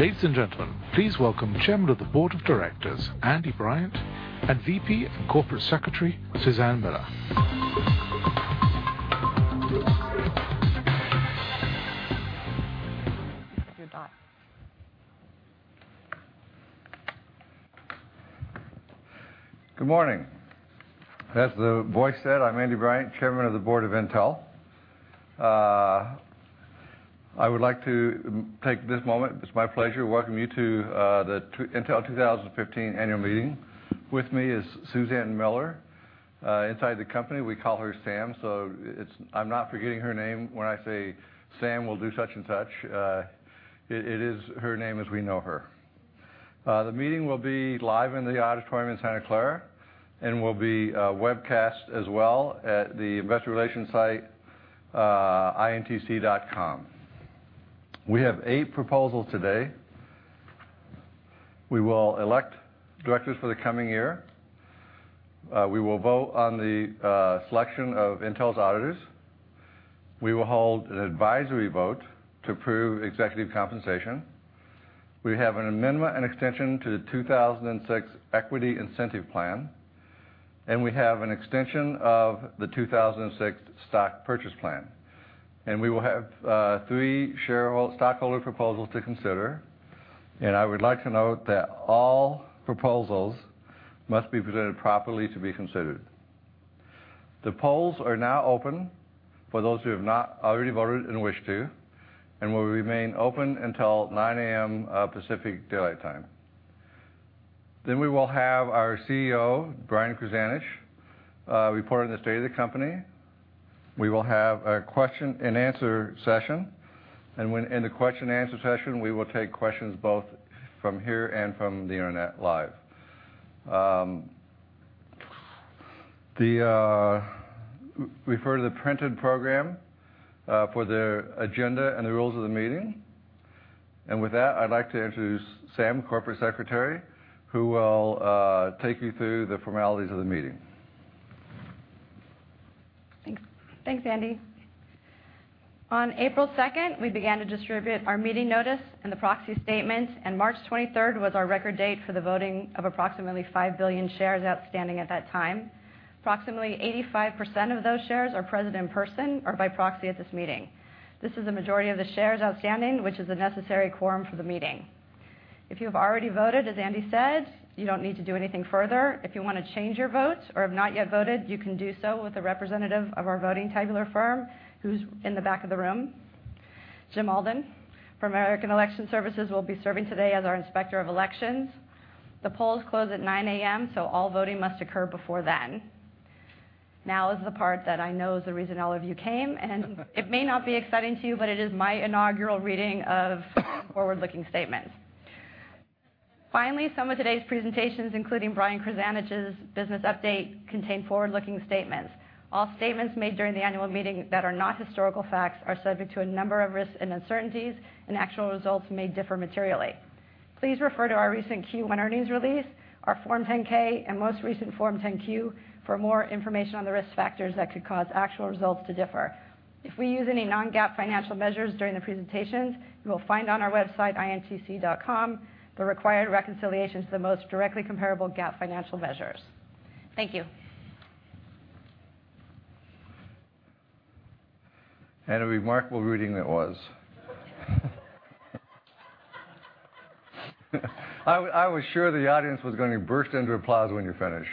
Ladies and gentlemen, please welcome Chairman of the Board of Directors, Andy Bryant, and VP and Corporate Secretary, Suzan Miller. You're done. Good morning. As the voice said, I'm Andy Bryant, Chairman of the Board of Intel. I would like to take this moment, it's my pleasure to welcome you to the Intel 2015 Annual Meeting. With me is Suzanne Miller. Inside the company, we call her Sam, so I'm not forgetting her name when I say, "Sam will do such and such." It is her name as we know her. The meeting will be live in the auditorium in Santa Clara and will be webcast as well at the investor relation site, intc.com. We have eight proposals today. We will elect directors for the coming year. We will vote on the selection of Intel's auditors. We will hold an advisory vote to approve executive compensation. We have an amendment and extension to the 2006 Equity Incentive Plan, and we have an extension of the 2006 Stock Purchase Plan. We will have three stockholder proposals to consider, I would like to note that all proposals must be presented properly to be considered. The polls are now open for those who have not already voted and wish to, and will remain open until 9:00 A.M. Pacific Daylight Time. We will have our CEO, Brian Krzanich, report on the state of the company. We will have a question and answer session, in the question and answer session, we will take questions both from here and from the internet live. Refer to the printed program for the agenda and the rules of the meeting. With that, I'd like to introduce Sam, Corporate Secretary, who will take you through the formalities of the meeting. Thanks, Andy. On April 2nd, we began to distribute our meeting notice and the proxy statement. March 23rd was our record date for the voting of approximately 5 billion shares outstanding at that time. Approximately 85% of those shares are present in person or by proxy at this meeting. This is a majority of the shares outstanding, which is a necessary quorum for the meeting. If you have already voted, as Andy said, you don't need to do anything further. If you want to change your vote or have not yet voted, you can do so with a representative of our voting tabulator firm, who's in the back of the room. Jim Alden from American Election Services will be serving today as our Inspector of Elections. The polls close at 9:00 A.M., All voting must occur before then. Now is the part that I know is the reason all of you came. It may not be exciting to you, but it is my inaugural reading of forward-looking statements. Finally, some of today's presentations, including Brian Krzanich's business update, contain forward-looking statements. All statements made during the annual meeting that are not historical facts are subject to a number of risks and uncertainties. Actual results may differ materially. Please refer to our recent Q1 earnings release, our Form 10-K, and most recent Form 10-Q for more information on the risk factors that could cause actual results to differ. If we use any non-GAAP financial measures during the presentations, you will find on our website, intc.com, the required reconciliations to the most directly comparable GAAP financial measures. Thank you. A remarkable reading it was. I was sure the audience was going to burst into applause when you're finished.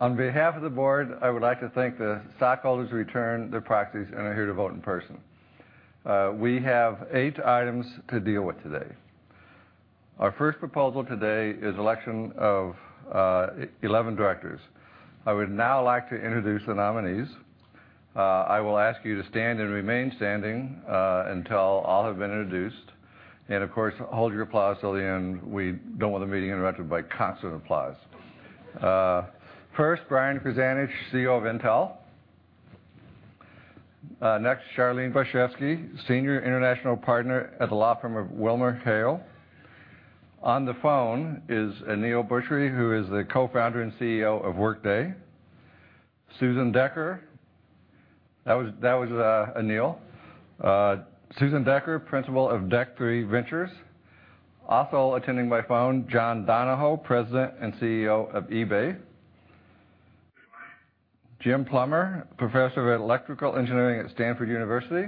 On behalf of the board, I would like to thank the stockholders who returned their proxies and are here to vote in person. We have eight items to deal with today. Our first proposal today is election of 11 directors. I would now like to introduce the nominees. I will ask you to stand and remain standing until all have been introduced. Of course, hold your applause till the end. We don't want the meeting interrupted by constant applause. First, Brian Krzanich, CEO of Intel. Next, Charlene Barshefsky, senior international partner at the law firm of WilmerHale. On the phone is Aneel Bhusri, who is the Co-Founder and CEO of Workday. Susan Decker. That was Aneel. Susan Decker, Principal of Deck3 Ventures. Also attending by phone, John Donahoe, President and CEO of eBay. Jim Plummer, Professor of Electrical Engineering at Stanford University.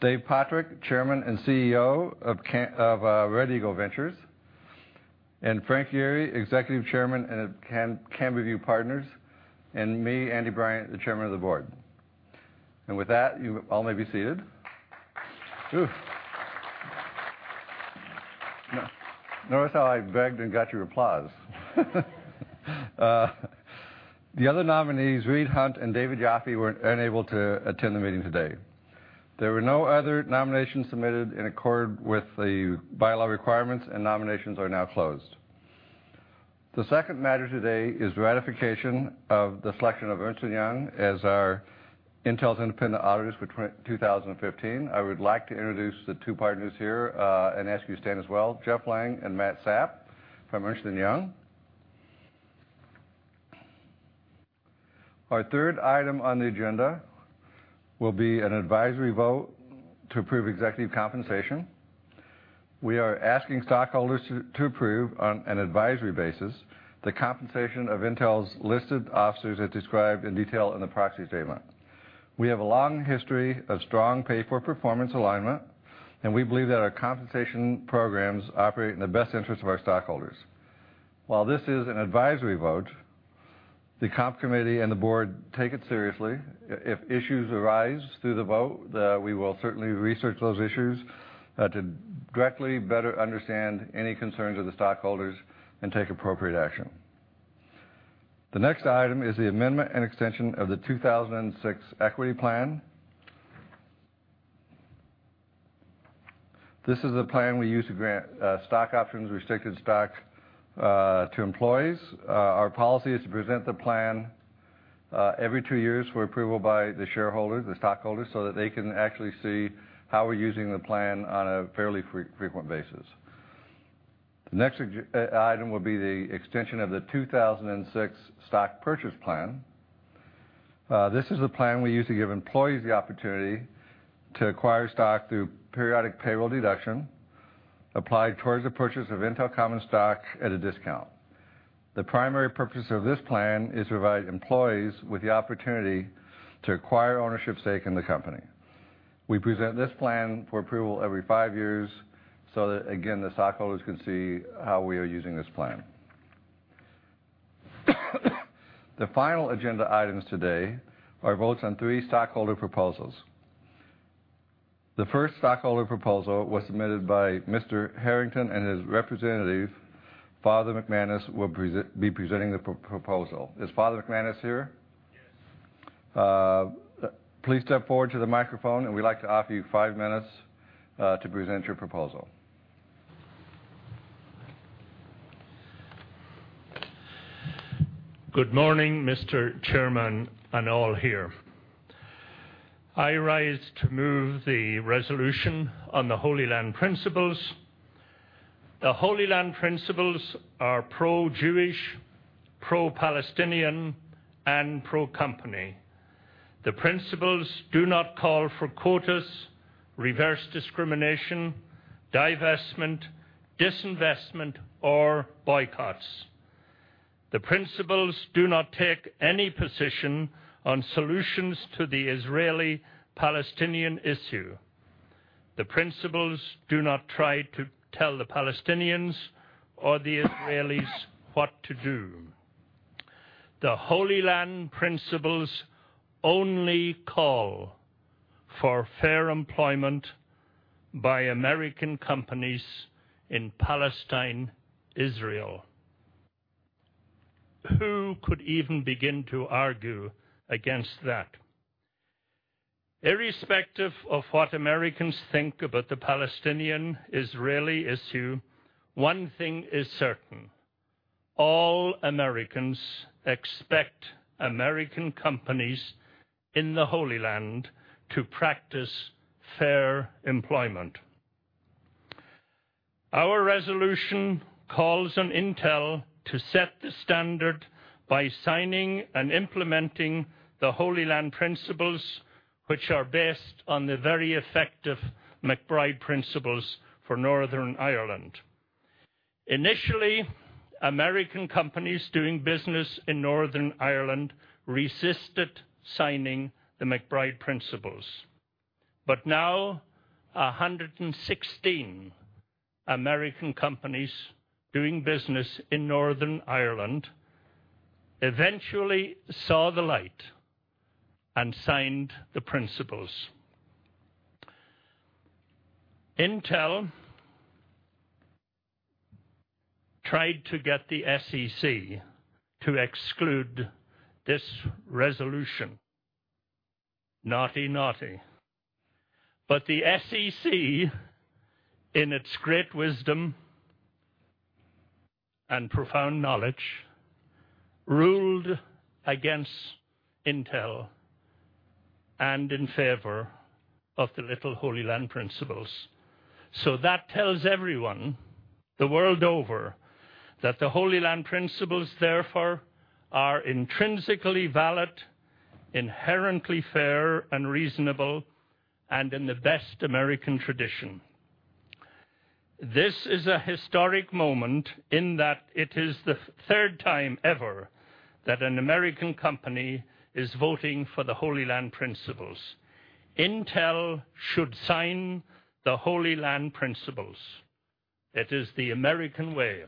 Dave Pottruck, Chairman and CEO of Red Eagle Ventures, Frank Yeary, Executive Chairman at CamberView Partners, and me, Andy Bryant, the Chairman of the Board. With that, you all may be seated. Notice how I begged and got your applause. The other nominees, Reed Hundt and David Yoffie, were unable to attend the meeting today. There were no other nominations submitted in accord with the bylaw requirements. Nominations are now closed. The second matter today is ratification of the selection of Ernst & Young as our Intel's independent auditors for 2015. I would like to introduce the two partners here. Ask you to stand as well. Jeff Lang and Matt Sapp from Ernst & Young. Our third item on the agenda will be an advisory vote to approve executive compensation. We are asking stockholders to approve, on an advisory basis, the compensation of Intel's listed officers as described in detail in the proxy statement. We have a long history of strong pay-for-performance alignment, and we believe that our compensation programs operate in the best interest of our stockholders. While this is an advisory vote, the Comp Committee and the board take it seriously. If issues arise through the vote, we will certainly research those issues to directly better understand any concerns of the stockholders and take appropriate action. The next item is the amendment and extension of the 2006 equity plan. This is a plan we use to grant stock options, restricted stock to employees. Our policy is to present the plan every two years for approval by the stockholders, so that they can actually see how we're using the plan on a fairly frequent basis. The next item will be the extension of the 2006 stock purchase plan. This is the plan we use to give employees the opportunity to acquire stock through periodic payroll deduction applied towards the purchase of Intel common stock at a discount. The primary purpose of this plan is to provide employees with the opportunity to acquire ownership stake in the company. We present this plan for approval every five years so that, again, the stockholders can see how we are using this plan. The final agenda items today are votes on three stockholder proposals. The first stockholder proposal was submitted by Mr. Harrington, and his representative, Father McManus, will be presenting the proposal. Is Father McManus here? Yes. Please step forward to the microphone and we'd like to offer you five minutes to present your proposal. Good morning, Mr. Chairman, and all here. I rise to move the resolution on the Holy Land Principles. The Holy Land Principles are pro-Jewish, pro-Palestinian, and pro-company. The principles do not call for quotas, reverse discrimination, divestment, disinvestment, or boycotts. The principles do not take any position on solutions to the Israeli-Palestinian issue. The principles do not try to tell the Palestinians or the Israelis what to do. The Holy Land Principles only call for fair employment by American companies in Palestine, Israel. Who could even begin to argue against that? Irrespective of what Americans think about the Palestinian-Israeli issue, one thing is certain. All Americans expect American companies in the Holy Land to practice fair employment. Our resolution calls on Intel to set the standard by signing and implementing the Holy Land Principles, which are based on the very effective MacBride Principles for Northern Ireland. Initially, American companies doing business in Northern Ireland resisted signing the MacBride Principles. Now 116 American companies doing business in Northern Ireland eventually saw the light and signed the principles. Intel tried to get the SEC to exclude this resolution. Naughty, naughty. The SEC, in its great wisdom and profound knowledge, ruled against Intel and in favor of the little Holy Land Principles. That tells everyone the world over that the Holy Land Principles, therefore, are intrinsically valid, inherently fair and reasonable, and in the best American tradition. This is a historic moment in that it is the third time ever that an American company is voting for the Holy Land Principles. Intel should sign the Holy Land Principles. It is the American way.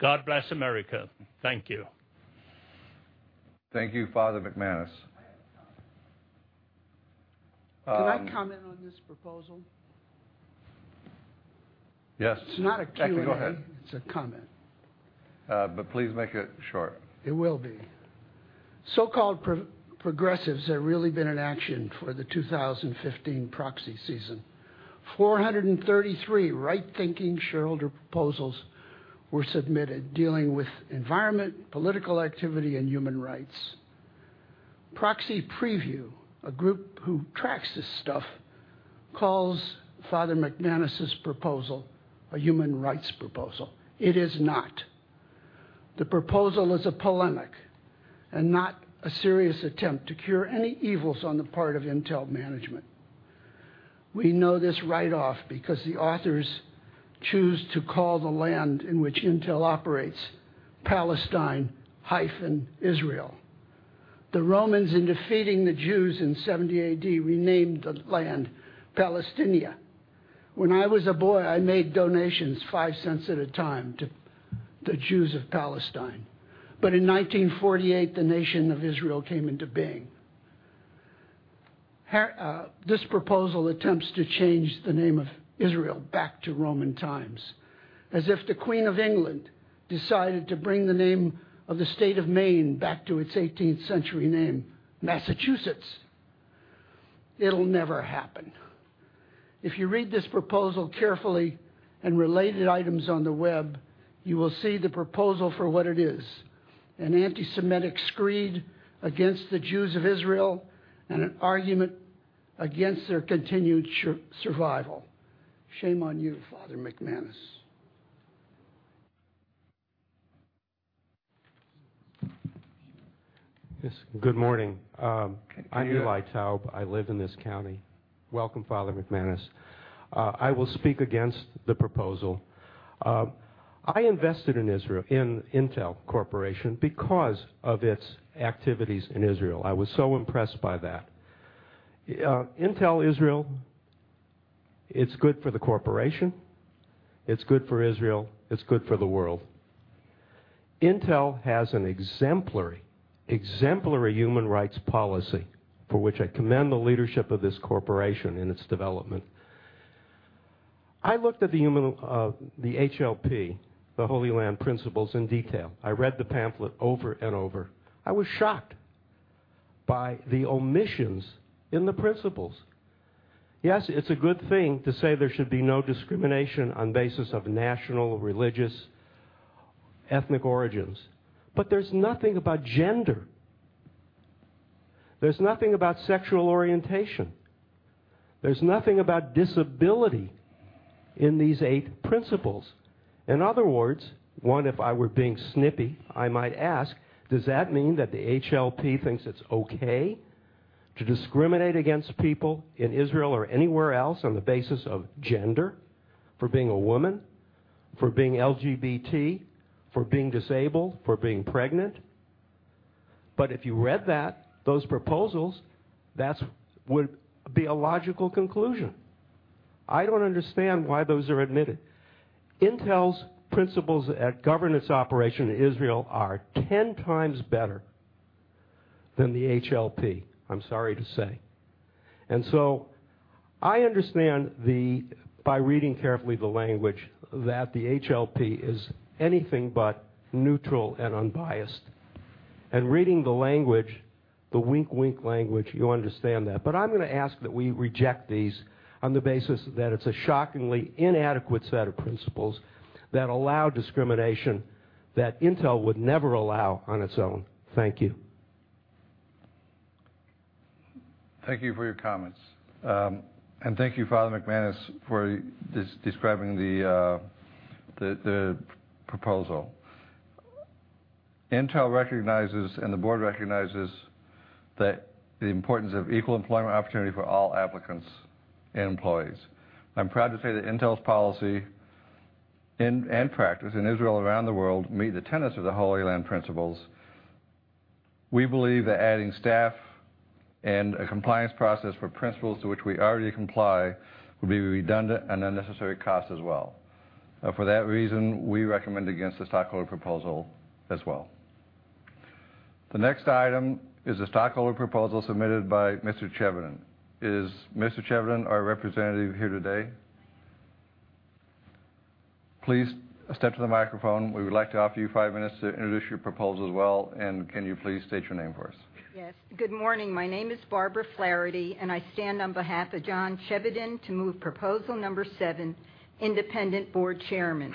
God bless America. Thank you. Thank you, Father McManus. I have a comment. Um- Can I comment on this proposal? Yes. It's not a Q&A. Actually, go ahead. It's a comment. Please make it short. It will be. So-called progressives have really been in action for the 2015 proxy season. 433 right-thinking shareholder proposals were submitted dealing with environment, political activity, and human rights. Proxy Preview, a group who tracks this stuff, calls Father McManus's proposal a human rights proposal. It is not. The proposal is a polemic and not a serious attempt to cure any evils on the part of Intel management. We know this right off because the authors choose to call the land in which Intel operates Palestine-Israel. The Romans, in defeating the Jews in 70 AD, renamed the land Palaestinia. When I was a boy, I made donations, $0.05 at a time, to the Jews of Palestine. In 1948, the nation of Israel came into being. This proposal attempts to change the name of Israel back to Roman times, as if the Queen of England decided to bring the name of the state of Maine back to its 18th century name, Massachusetts. It'll never happen. If you read this proposal carefully and related items on the web, you will see the proposal for what it is, an antisemitic screed against the Jews of Israel and an argument against their continued survival. Shame on you, Father McManus. Yes, good morning. Good morning. I'm Eli Taub. I live in this county. Welcome, Father McManus. I will speak against the proposal. I invested in Intel Corporation because of its activities in Israel. I was so impressed by that. Intel Israel, it's good for the corporation, it's good for Israel, it's good for the world. Intel has an exemplary human rights policy for which I commend the leadership of this corporation in its development. I looked at the HLP, the Holy Land Principles, in detail. I read the pamphlet over and over. I was shocked by the omissions in the principles. Yes, it's a good thing to say there should be no discrimination on basis of national, religious, ethnic origins, but there's nothing about gender. There's nothing about sexual orientation. There's nothing about disability in these eight principles. In other words, one, if I were being snippy, I might ask, does that mean that the HLP thinks it's okay to discriminate against people in Israel or anywhere else on the basis of gender, for being a woman, for being LGBT, for being disabled, for being pregnant? If you read those proposals, that would be a logical conclusion. I don't understand why those are omitted. Intel's principles at governance operation in Israel are 10 times better than the HLP, I'm sorry to say. I understand, by reading carefully the language, that the HLP is anything but neutral and unbiased. Reading the language, the wink-wink language, you understand that. I'm going to ask that we reject these on the basis that it's a shockingly inadequate set of principles that allow discrimination that Intel would never allow on its own. Thank you. Thank you for your comments. Thank you, Father McManus, for describing the proposal. Intel recognizes, and the board recognizes, the importance of equal employment opportunity for all applicants and employees. I'm proud to say that Intel's policy and practice in Israel and around the world meet the tenets of the Holy Land Principles. We believe that adding staff and a compliance process for principles to which we already comply would be redundant and unnecessary cost as well. For that reason, we recommend against the stockholder proposal as well. The next item is the stockholder proposal submitted by Mr. Chevedden. Is Mr. Chevedden or a representative here today? Please step to the microphone. We would like to offer you five minutes to introduce your proposal as well, and can you please state your name for us? Yes. Good morning. My name is Barbara Flaherty, and I stand on behalf of John Chevedden to move proposal number seven, independent board chairman.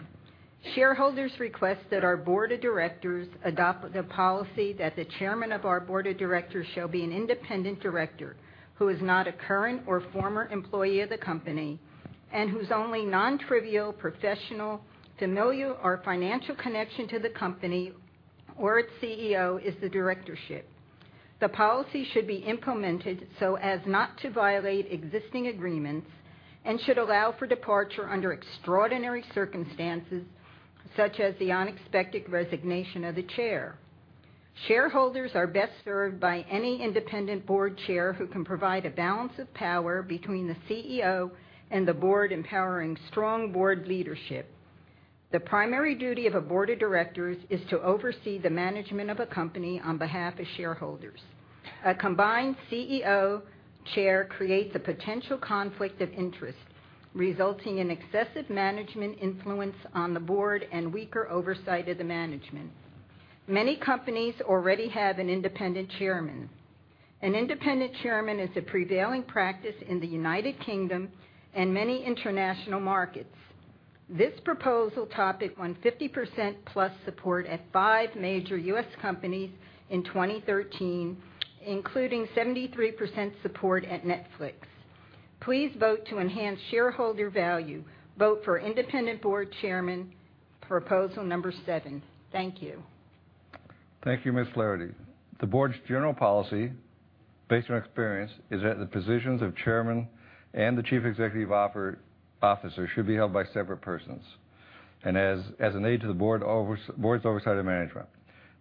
Shareholders request that our board of directors adopt the policy that the chairman of our board of directors shall be an independent director who is not a current or former employee of the company, and whose only non-trivial professional, familial, or financial connection to the company or its CEO is the directorship. The policy should be implemented so as not to violate existing agreements and should allow for departure under extraordinary circumstances, such as the unexpected resignation of the chair. Shareholders are best served by any independent board chair who can provide a balance of power between the CEO and the board, empowering strong board leadership. The primary duty of a board of directors is to oversee the management of a company on behalf of shareholders. A combined CEO chair creates a potential conflict of interest, resulting in excessive management influence on the board and weaker oversight of the management. Many companies already have an independent chairman. An independent chairman is a prevailing practice in the United Kingdom and many international markets. This proposal topic won 50%-plus support at five major U.S. companies in 2013, including 73% support at Netflix. Please vote to enhance shareholder value. Vote for independent board chairman, proposal number seven. Thank you. Thank you, Ms. Flaherty. The board's general policy, based on experience, is that the positions of chairman and the chief executive officer should be held by separate persons, and as an aid to the board's oversight of management.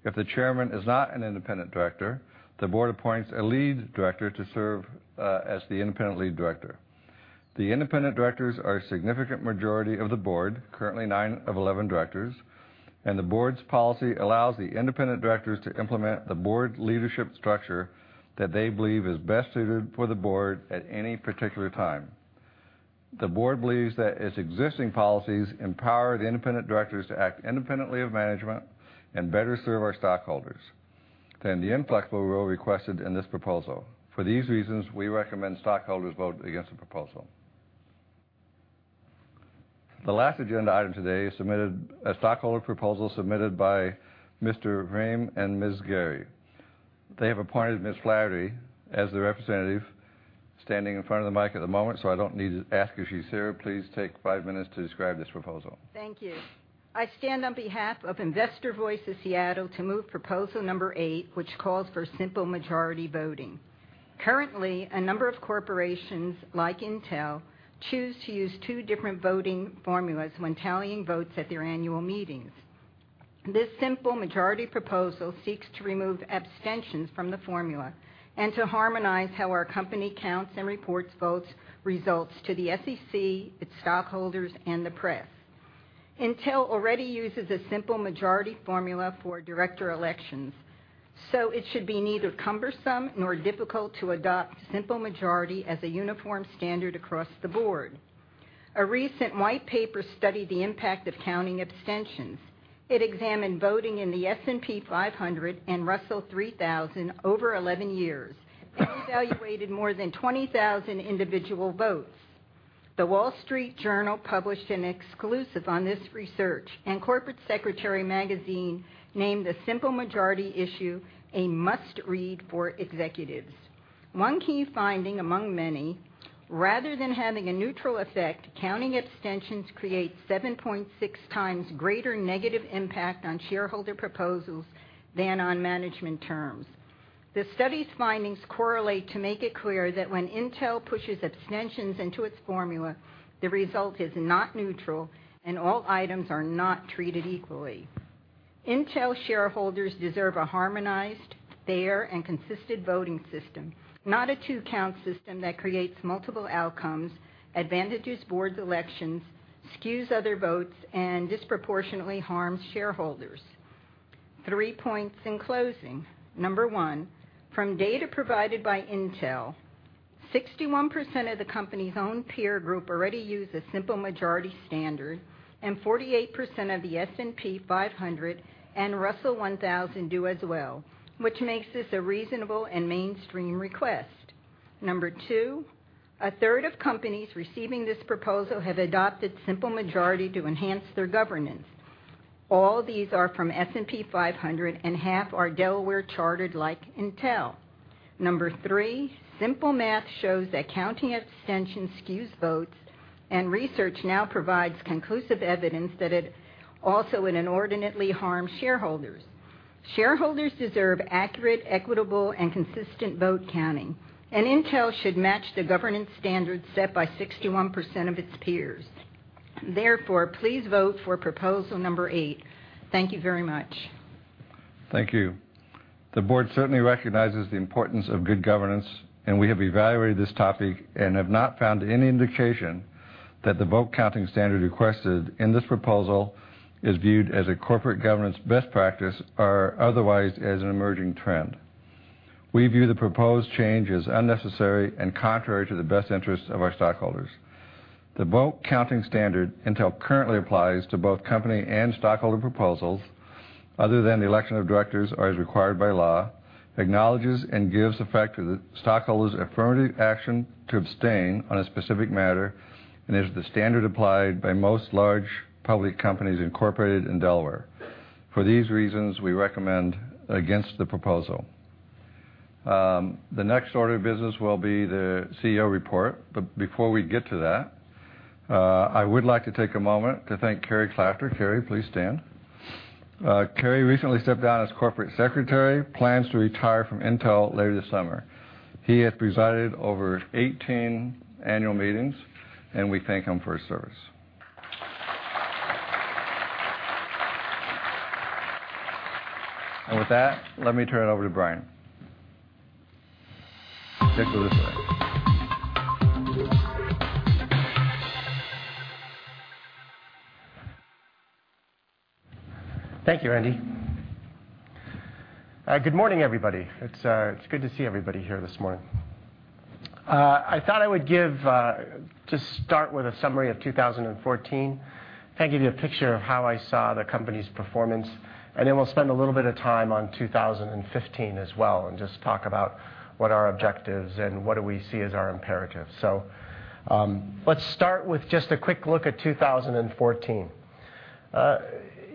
If the chairman is not an independent director, the board appoints a lead director to serve as the independent lead director. The independent directors are a significant majority of the board, currently nine of 11 directors, and the board's policy allows the independent directors to implement the board leadership structure that they believe is best suited for the board at any particular time. The board believes that its existing policies empower the independent directors to act independently of management and better serve our stockholders than the inflexible rule requested in this proposal. For these reasons, we recommend stockholders vote against the proposal. The last agenda item today, a stockholder proposal submitted by Mr. Rame and Ms. Gary. They have appointed Ms. Flaherty as their representative, standing in front of the mic at the moment, so I don't need to ask if she's here. Please take five minutes to describe this proposal. Thank you. I stand on behalf of Investor Voice of Seattle to move proposal number eight, which calls for simple majority voting. Currently, a number of corporations, like Intel, choose to use two different voting formulas when tallying votes at their annual meetings. This simple majority proposal seeks to remove abstentions from the formula and to harmonize how our company counts and reports votes results to the SEC, its stockholders, and the press. Intel already uses a simple majority formula for director elections, so it should be neither cumbersome nor difficult to adopt simple majority as a uniform standard across the board. A recent white paper studied the impact of counting abstentions. It examined voting in the S&P 500 and Russell 3000 over 11 years, and evaluated more than 20,000 individual votes. The Wall Street Journal published an exclusive on this research. Corporate Secretary Magazine named the simple majority issue a must-read for executives. One key finding among many, rather than having a neutral effect, counting abstentions creates 7.6 times greater negative impact on shareholder proposals than on management terms. The study's findings correlate to make it clear that when Intel pushes abstentions into its formula, the result is not neutral, and all items are not treated equally. Intel shareholders deserve a harmonized, fair, and consistent voting system, not a two-count system that creates multiple outcomes, advantages board's elections, skews other votes, and disproportionately harms shareholders. Three points in closing. Number one, from data provided by Intel, 61% of the company's own peer group already use a simple majority standard, and 48% of the S&P 500 and Russell 1000 do as well, which makes this a reasonable and mainstream request. Number two, a third of companies receiving this proposal have adopted simple majority to enhance their governance. All these are from S&P 500, and half are Delaware-chartered like Intel. Number three, simple math shows that counting abstention skews votes, and research now provides conclusive evidence that it also inordinately harms shareholders. Shareholders deserve accurate, equitable, and consistent vote counting, and Intel should match the governance standard set by 61% of its peers. Please vote for proposal number eight. Thank you very much. Thank you. The board certainly recognizes the importance of good governance. We have evaluated this topic and have not found any indication that the vote-counting standard requested in this proposal is viewed as a corporate governance best practice or otherwise as an emerging trend. We view the proposed change as unnecessary and contrary to the best interests of our stockholders. The vote-counting standard Intel currently applies to both company and stockholder proposals, other than the election of directors or as required by law, acknowledges and gives effect to the stockholder's affirmative action to abstain on a specific matter and is the standard applied by most large public companies incorporated in Delaware. For these reasons, we recommend against the proposal. The next order of business will be the CEO report. Before we get to that, I would like to take a moment to thank Kerry Klatzker. Kerry, please stand. Kerry recently stepped down as Corporate Secretary, plans to retire from Intel later this summer. He has presided over 18 annual meetings. We thank him for his service. With that, let me turn it over to Brian. Take it away. Thank you, Andy. Good morning, everybody. It's good to see everybody here this morning. I thought I would just start with a summary of 2014 and give you a picture of how I saw the company's performance. Then we'll spend a little bit of time on 2015 as well, just talk about what our objectives and what do we see as our imperatives. Let's start with just a quick look at 2014.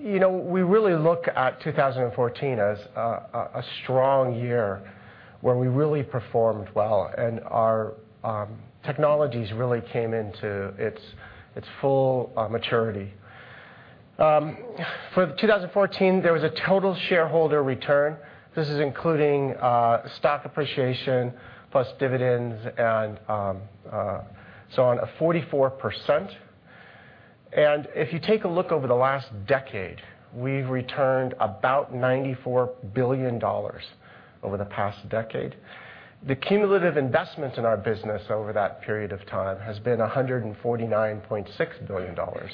We really look at 2014 as a strong year where we really performed well. Our technologies really came into its full maturity. For 2014, there was a total shareholder return. This is including stock appreciation plus dividends, and so on, of 44%. If you take a look over the last decade, we've returned about $94 billion over the past decade. The cumulative investment in our business over that period of time has been $149.6 billion or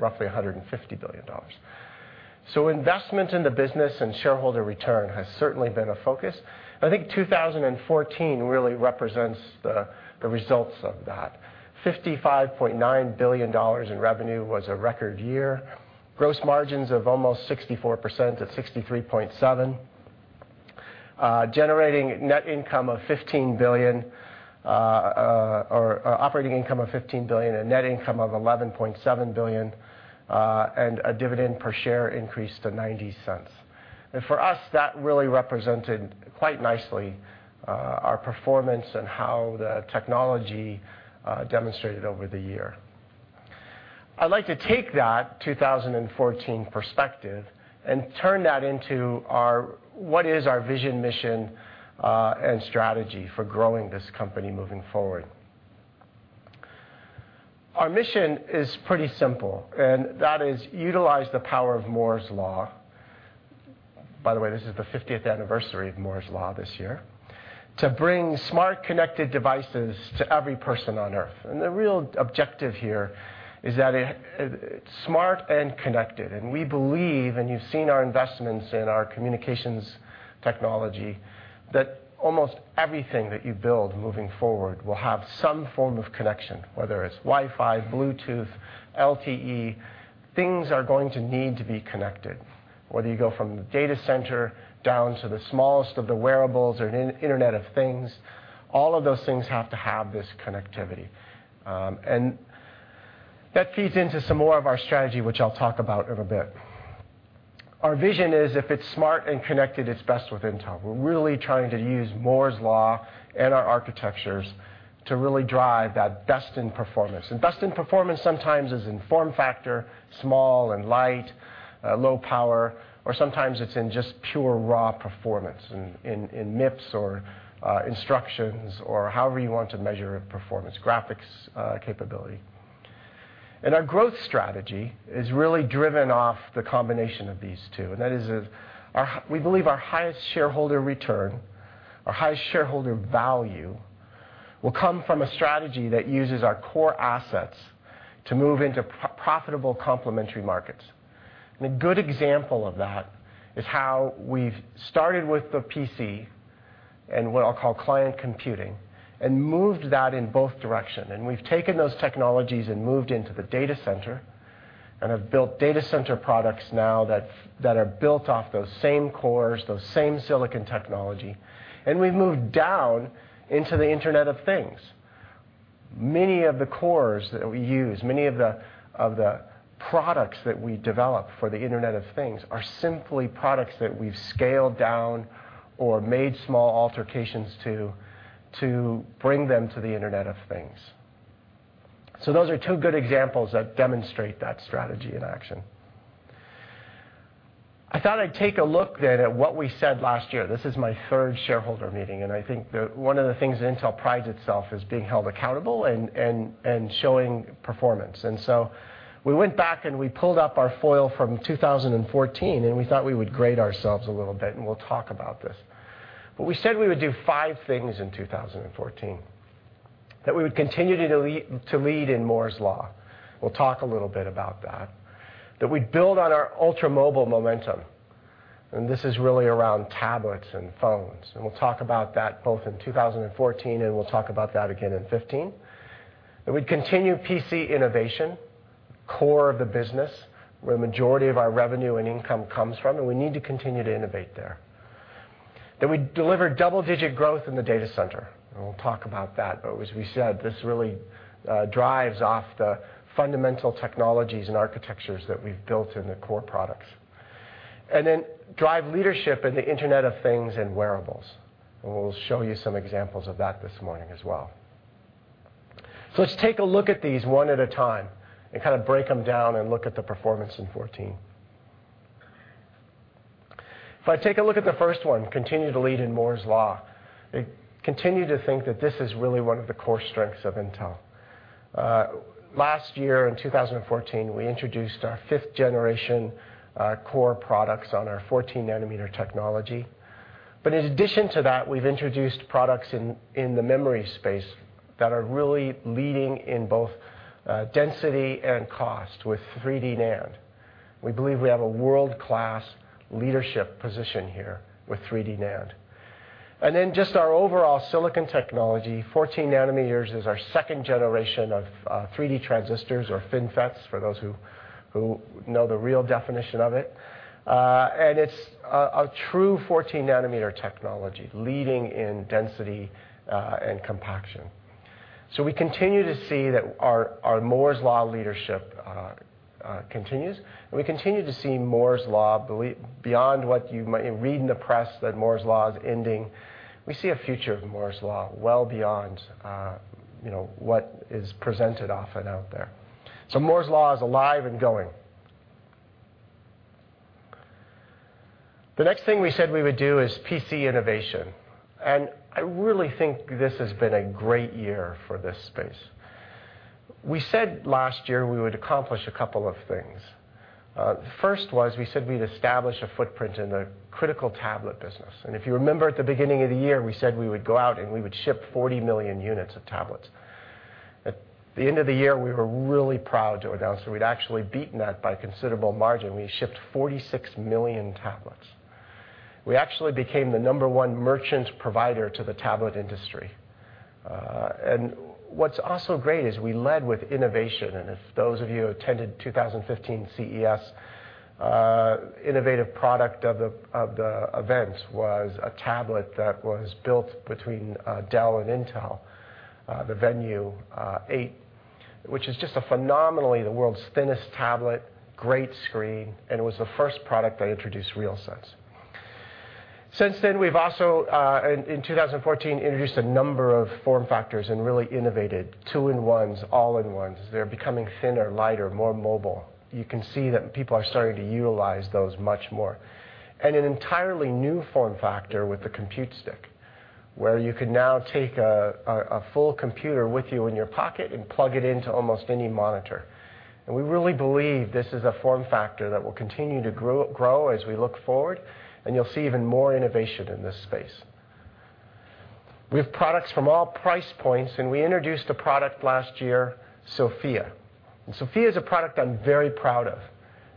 roughly $150 billion. Investment in the business and shareholder return has certainly been a focus. I think 2014 really represents the results of that. $55.9 billion in revenue was a record year. Gross margins of almost 64% at 63.7%, generating operating income of $15 billion, net income of $11.7 billion. A dividend per share increase to $0.90. For us, that really represented quite nicely our performance and how the technology demonstrated over the year. I'd like to take that 2014 perspective and turn that into what is our vision, mission, and strategy for growing this company moving forward. Our mission is pretty simple. That is utilize the power of Moore's Law. By the way, this is the 50th anniversary of Moore's Law this year, to bring smart connected devices to every person on Earth. The real objective here is that it's smart and connected, and we believe, and you've seen our investments in our communications technology, that almost everything that you build moving forward will have some form of connection, whether it's Wi-Fi, Bluetooth, LTE, things are going to need to be connected. Whether you go from the data center down to the smallest of the wearables or Internet of Things, all of those things have to have this connectivity. That feeds into some more of our strategy, which I'll talk about in a bit. Our vision is, if it's smart and connected, it's best with Intel. We're really trying to use Moore's Law and our architectures to really drive that best in performance. Best in performance sometimes is in form factor, small and light, low power, or sometimes it's in just pure, raw performance, in MIPS or instructions or however you want to measure performance, graphics capability. Our growth strategy is really driven off the combination of these two, and that is we believe our highest shareholder return, our highest shareholder value, will come from a strategy that uses our core assets to move into profitable complementary markets. A good example of that is how we've started with the PC, and what I'll call client computing, and moved that in both direction. We've taken those technologies and moved into the data center and have built data center products now that are built off those same cores, those same silicon technology. We've moved down into the Internet of Things. Many of the cores that we use, many of the products that we develop for the Internet of Things, are simply products that we've scaled down or made small alterations to bring them to the Internet of Things. Those are two good examples that demonstrate that strategy in action. I thought I'd take a look then at what we said last year. This is my third shareholder meeting, and I think that one of the things Intel prides itself is being held accountable and showing performance. We went back, and we pulled up our foil from 2014, and we thought we would grade ourselves a little bit, and we'll talk about this. We said we would do five things in 2014. That we would continue to lead in Moore's Law. We'll talk a little bit about that. That we'd build on our ultra-mobile momentum, this is really around tablets and phones, we'll talk about that both in 2014, and we'll talk about that again in 2015. That we'd continue PC innovation, core of the business, where the majority of our revenue and income comes from, we need to continue to innovate there. That we'd deliver double-digit growth in the data center, we'll talk about that. As we said, this really drives off the fundamental technologies and architectures that we've built in the core products. Drive leadership in the Internet of Things and wearables, we'll show you some examples of that this morning as well. Let's take a look at these one at a time and kind of break them down and look at the performance in 2014. If I take a look at the first one, continue to lead in Moore's Law, I continue to think that this is really one of the core strengths of Intel. Last year, in 2014, we introduced our fifth-generation core products on our 14-nanometer technology. In addition to that, we've introduced products in the memory space that are really leading in both density and cost with 3D NAND. We believe we have a world-class leadership position here with 3D NAND. Just our overall silicon technology, 14 nanometers is our second generation of 3D transistors, or FinFETs, for those who know the real definition of it. It's a true 14-nanometer technology, leading in density and compaction. We continue to see that our Moore's Law leadership continues, and we continue to see Moore's Law beyond what you might read in the press, that Moore's Law is ending. We see a future of Moore's Law well beyond what is presented often out there. Moore's Law is alive and going. The next thing we said we would do is PC innovation, I really think this has been a great year for this space. We said last year we would accomplish a couple of things. The first was we said we'd establish a footprint in the critical tablet business. If you remember at the beginning of the year, we said we would go out, and we would ship 40 million units of tablets. At the end of the year, we were really proud to announce that we'd actually beaten that by a considerable margin. We shipped 46 million tablets. We actually became the number one merchant provider to the tablet industry. What's also great is we led with innovation, if those of you who attended 2015 CES, innovative product of the event was a tablet that was built between Dell and Intel, the Venue 8, which is just a phenomenally the world's thinnest tablet, great screen, and it was the first product that introduced RealSense. Since then, we've also, in 2014, introduced a number of form factors and really innovated two-in-ones, all-in-ones. They're becoming thinner, lighter, more mobile. You can see that people are starting to utilize those much more. An entirely new form factor with the Compute Stick, where you can now take a full computer with you in your pocket and plug it into almost any monitor. We really believe this is a form factor that will continue to grow as we look forward, and you'll see even more innovation in this space. We have products from all price points, we introduced a product last year, SoFIA. SoFIA is a product I'm very proud of.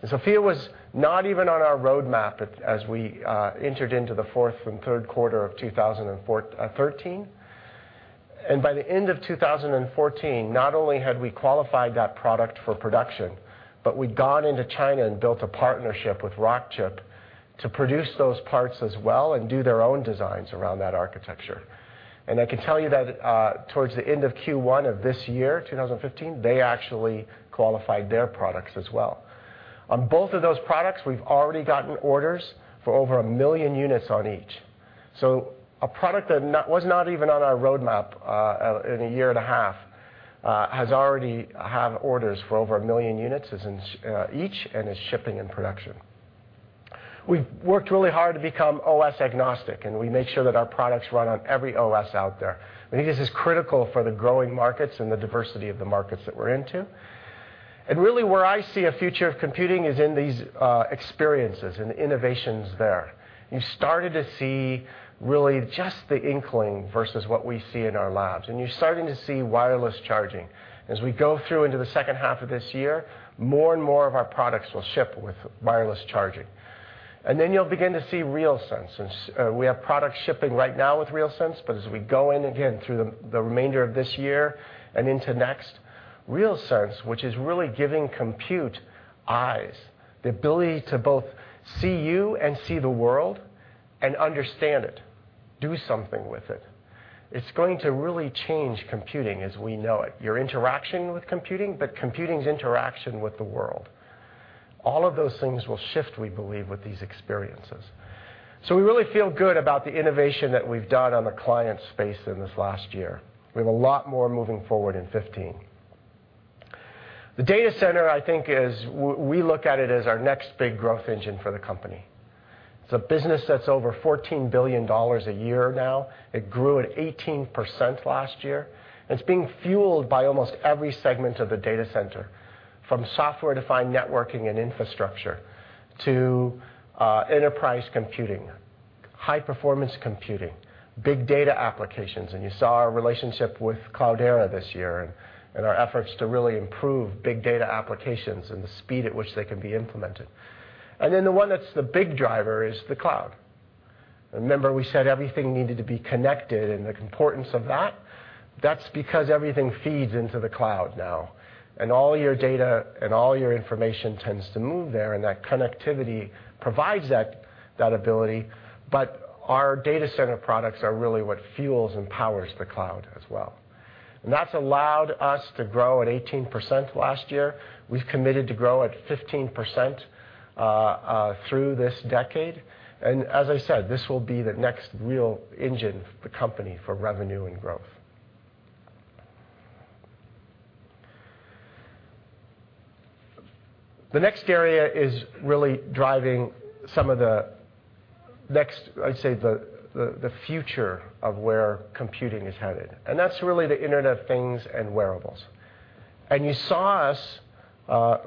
SoFIA was not even on our roadmap as we entered into the fourth and third quarter of 2013. By the end of 2014, not only had we qualified that product for production, but we'd gone into China and built a partnership with Rockchip to produce those parts as well and do their own designs around that architecture. I can tell you that towards the end of Q1 of this year, 2015, they actually qualified their products as well. On both of those products, we've already gotten orders for over 1 million units on each. A product that was not even on our roadmap in a year and a half has already had orders for over 1 million units each and is shipping in production. We've worked really hard to become OS-agnostic, and we made sure that our products run on every OS out there. We think this is critical for the growing markets and the diversity of the markets that we're into. Really where I see a future of computing is in these experiences and innovations there. You've started to see really just the inkling versus what we see in our labs, and you're starting to see wireless charging. As we go through into the second half of this year, more and more of our products will ship with wireless charging. Then you'll begin to see RealSense. We have products shipping right now with RealSense, as we go in again through the remainder of this year and into next, RealSense, which is really giving compute eyes, the ability to both see you and see the world and understand it, do something with it. It's going to really change computing as we know it, your interaction with computing, but computing's interaction with the world. All of those things will shift, we believe, with these experiences. We really feel good about the innovation that we've done on the client space in this last year. We have a lot more moving forward in 2015. The data center, I think is we look at it as our next big growth engine for the company. It's a business that's over $14 billion a year now. It grew at 18% last year. It's being fueled by almost every segment of the data center, from software-defined networking and infrastructure to enterprise computing, high-performance computing, big data applications. You saw our relationship with Cloudera this year and our efforts to really improve big data applications and the speed at which they can be implemented. Then the one that's the big driver is the cloud. Remember we said everything needed to be connected and the importance of that? That's because everything feeds into the cloud now. All your data and all your information tends to move there, and that connectivity provides that ability. Our data center products are really what fuels and powers the cloud as well. That's allowed us to grow at 18% last year. We've committed to grow at 15% through this decade. As I said, this will be the next real engine for the company for revenue and growth. The next area is really driving some of the next, I'd say, the future of where computing is headed, and that's really the Internet of Things and wearables. You saw us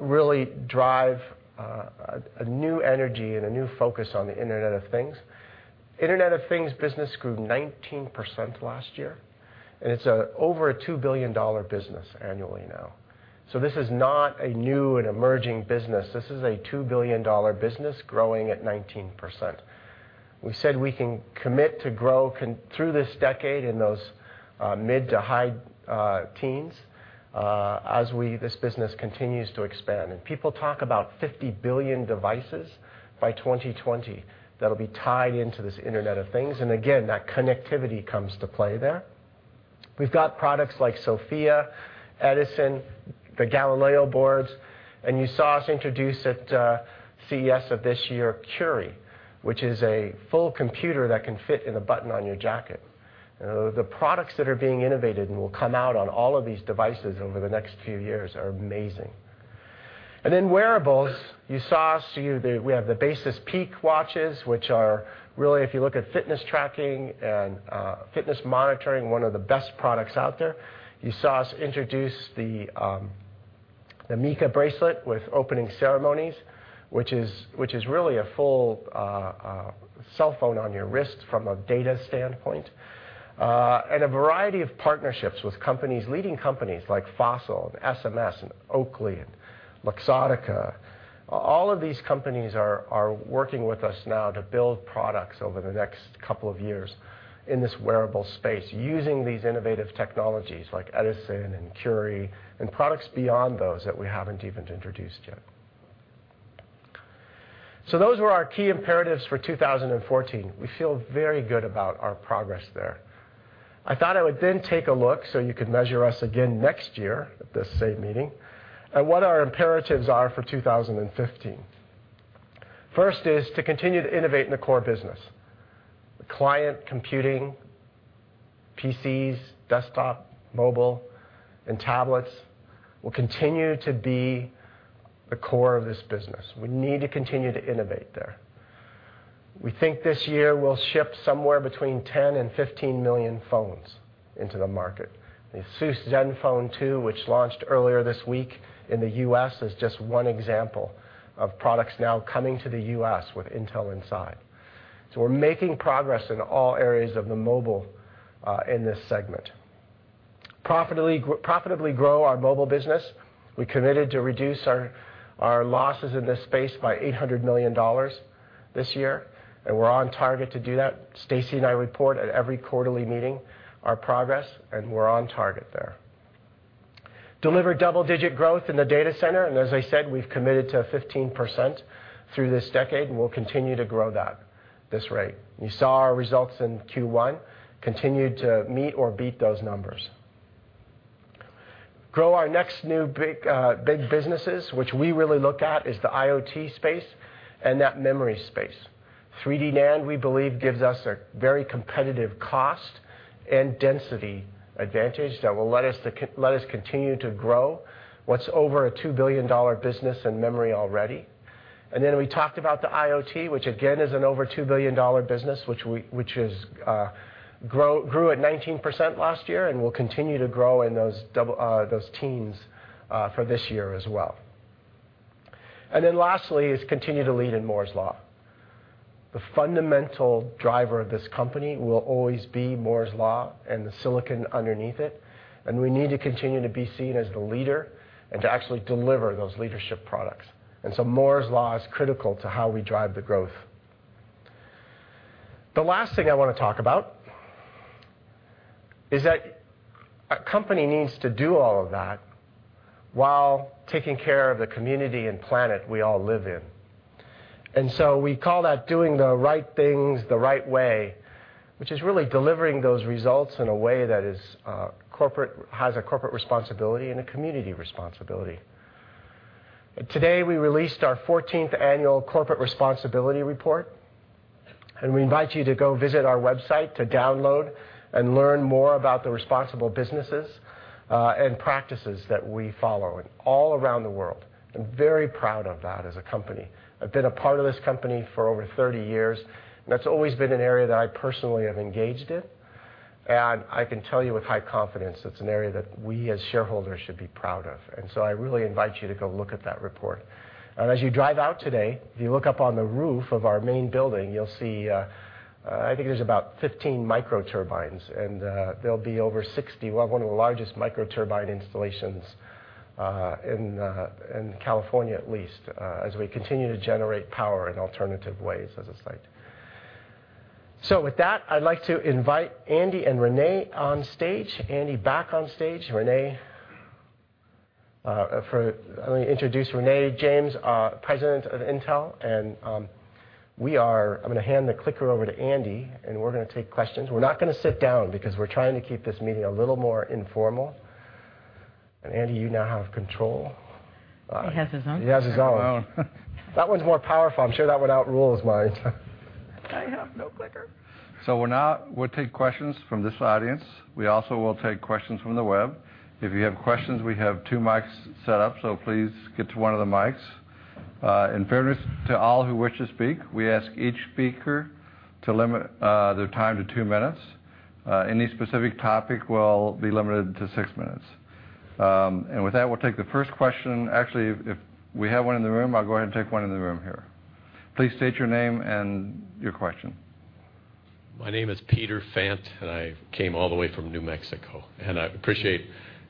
really drive a new energy and a new focus on the Internet of Things. Internet of Things business grew 19% last year, it's over a $2 billion business annually now. This is not a new and emerging business. This is a $2 billion business growing at 19%. We said we can commit to grow through this decade in those mid to high teens as this business continues to expand, people talk about 50 billion devices by 2020 that'll be tied into this Internet of Things, again, that connectivity comes to play there. We've got products like SoFIA, Edison, the Galileo boards. You saw us introduce at CES of this year, Curie, which is a full computer that can fit in a button on your jacket. The products that are being innovated and will come out on all of these devices over the next few years are amazing. In wearables, you saw we have the Basis Peak watches, which are really, if you look at fitness tracking and fitness monitoring, one of the best products out there. You saw us introduce the MICA bracelet with Opening Ceremony, which is really a full cellphone on your wrist from a data standpoint. A variety of partnerships with leading companies like Fossil, SMS, Oakley, and Luxottica. All of these companies are working with us now to build products over the next couple of years in this wearable space, using these innovative technologies like Edison and Curie and products beyond those that we haven't even introduced yet. Those were our key imperatives for 2014. We feel very good about our progress there. I thought I would then take a look so you could measure us again next year at this same meeting at what our imperatives are for 2015. First is to continue to innovate in the core business. Client computing, PCs, desktop, mobile, and tablets will continue to be the core of this business. We need to continue to innovate there. We think this year we'll ship somewhere between 10 and 15 million phones into the market. The ASUS ZenFone 2, which launched earlier this week in the U.S., is just one example of products now coming to the U.S. with Intel inside. We're making progress in all areas of mobile in this segment. Profitably grow our mobile business. We committed to reduce our losses in this space by $800 million this year, and we're on target to do that. Stacy and I report at every quarterly meeting our progress, and we're on target there. Deliver double-digit growth in the data center, and as I said, we've committed to 15% through this decade, and we'll continue to grow that, this rate. You saw our results in Q1 continue to meet or beat those numbers. Grow our next new big businesses, which we really look at is the IoT space and that memory space. 3D NAND, we believe, gives us a very competitive cost and density advantage that will let us continue to grow what's over a $2 billion business in memory already. We talked about the IoT, which again, is an over $2 billion business, which grew at 19% last year and will continue to grow in those teens for this year as well. Lastly is continue to lead in Moore's Law. The fundamental driver of this company will always be Moore's Law and the silicon underneath it, and we need to continue to be seen as the leader and to actually deliver those leadership products. Moore's Law is critical to how we drive the growth. The last thing I want to talk about is that a company needs to do all of that while taking care of the community and planet we all live in. We call that doing the right things the right way, which is really delivering those results in a way that has a corporate responsibility and a community responsibility. Today, we released our 14th annual Corporate Responsibility Report, and we invite you to go visit our website to download and learn more about the responsible businesses and practices that we follow all around the world. I'm very proud of that as a company. I've been a part of this company for over 30 years, and that's always been an area that I personally have engaged in. I can tell you with high confidence, it's an area that we as shareholders should be proud of. I really invite you to go look at that report. As you drive out today, if you look up on the roof of our main building, you'll see, I think there's about 15 microturbines, and there'll be over 60. We'll have one of the largest microturbine installations in California at least, as we continue to generate power in alternative ways as a site. With that, I'd like to invite Andy and Renée on stage. Andy back on stage. Let me introduce Renée James, President of Intel, and I'm going to hand the clicker over to Andy, and we're going to take questions. We're not going to sit down because we're trying to keep this meeting a little more informal. Andy, you now have control. He has his own. He has his own. I have my own. That one's more powerful. I'm sure that one outrules mine. I have no clicker. We'll take questions from this audience. We also will take questions from the web. If you have questions, we have two mics set up, so please get to one of the mics. In fairness to all who wish to speak, we ask each speaker to limit their time to two minutes. Any specific topic will be limited to six minutes. With that, we'll take the first question. Actually, if we have one in the room, I'll go ahead and take one in the room here. Please state your name and your question. My name is Peter Fante, I came all the way from New Mexico, I appreciate--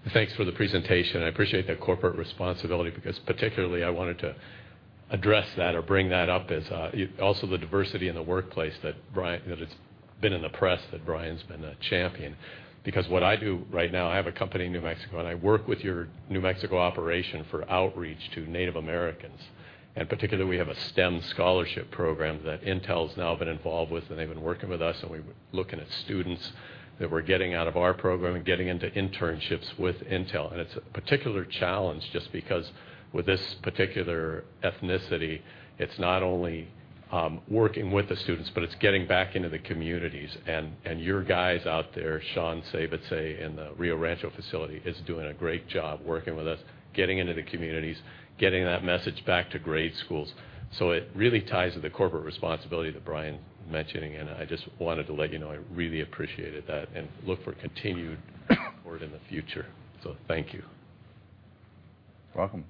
Thanks for the presentation. I appreciate that corporate responsibility because particularly I wanted to address that or bring that up as, also the diversity in the workplace that it's been in the press that Brian's been a champion. Because what I do right now, I have a company in New Mexico, I work with your New Mexico operation for outreach to Native Americans. Particularly, we have a STEM scholarship program that Intel's now been involved with, they've been working with us, we've been looking at students that we're getting out of our program and getting into internships with Intel. It's a particular challenge just because with this particular ethnicity, it's not only working with the students, but it's getting back into the communities. Your guys out there, Sean Savitz in the Rio Rancho facility, is doing a great job working with us, getting into the communities, getting that message back to grade schools. It really ties to the corporate responsibility that Brian's mentioning, I just wanted to let you know I really appreciated that look for continued support in the future. Thank you. Welcome.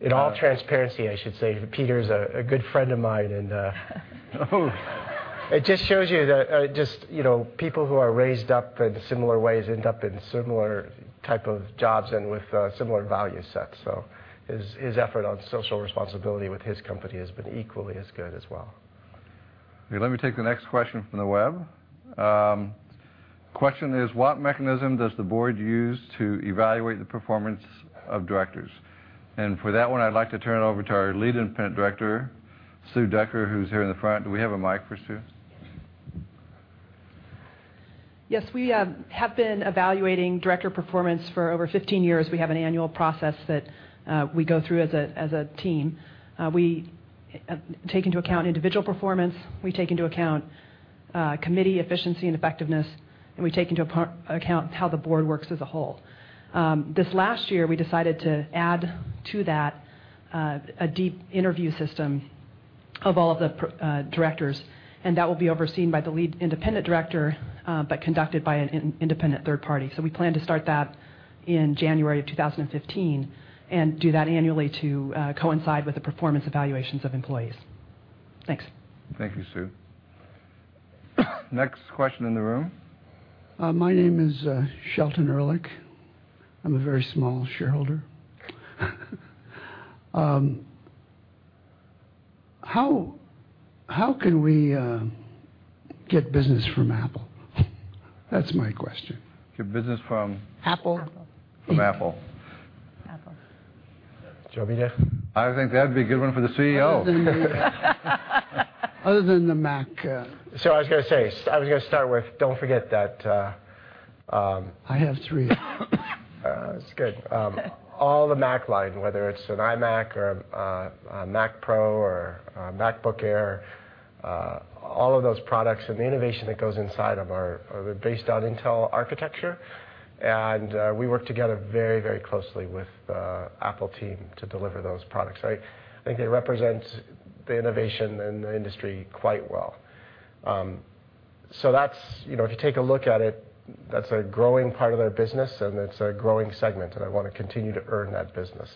In all transparency, I should say Peter's a good friend of mine. It just shows you that just people who are raised up in similar ways end up in similar type of jobs and with similar value sets. His effort on social responsibility with his company has been equally as good as well. Let me take the next question from the web. Question is: What mechanism does the board use to evaluate the performance of directors? For that one, I'd like to turn it over to our Lead Independent Director, Susan Decker, who's here in the front. Do we have a mic for Sue? Yes, we have been evaluating director performance for over 15 years. We have an annual process that we go through as a team. We take into account individual performance, we take into account committee efficiency and effectiveness, and we take into account how the board works as a whole. This last year, we decided to add to that a deep interview system of all of the directors, and that will be overseen by the Lead Independent Director, but conducted by an independent third party. We plan to start that in January of 2015 and do that annually to coincide with the performance evaluations of employees. Thanks. Thank you, Sue. Next question in the room. My name is Shelton Ehrlich. I'm a very small shareholder. How can we get business from Apple? That's my question. Get business from- Apple. Apple. From Apple. Apple. Do you want me to? I think that'd be a good one for the CEO. Other than the Mac. I was going to say, I was going to start with. I have three. That's good. All the Mac line, whether it's an iMac or a Mac Pro or a MacBook Air, all of those products and the innovation that goes inside of are based on Intel architecture. We work together very closely with the Apple team to deliver those products. I think they represent the innovation in the industry quite well. If you take a look at it, that's a growing part of their business, and it's a growing segment, and I want to continue to earn that business.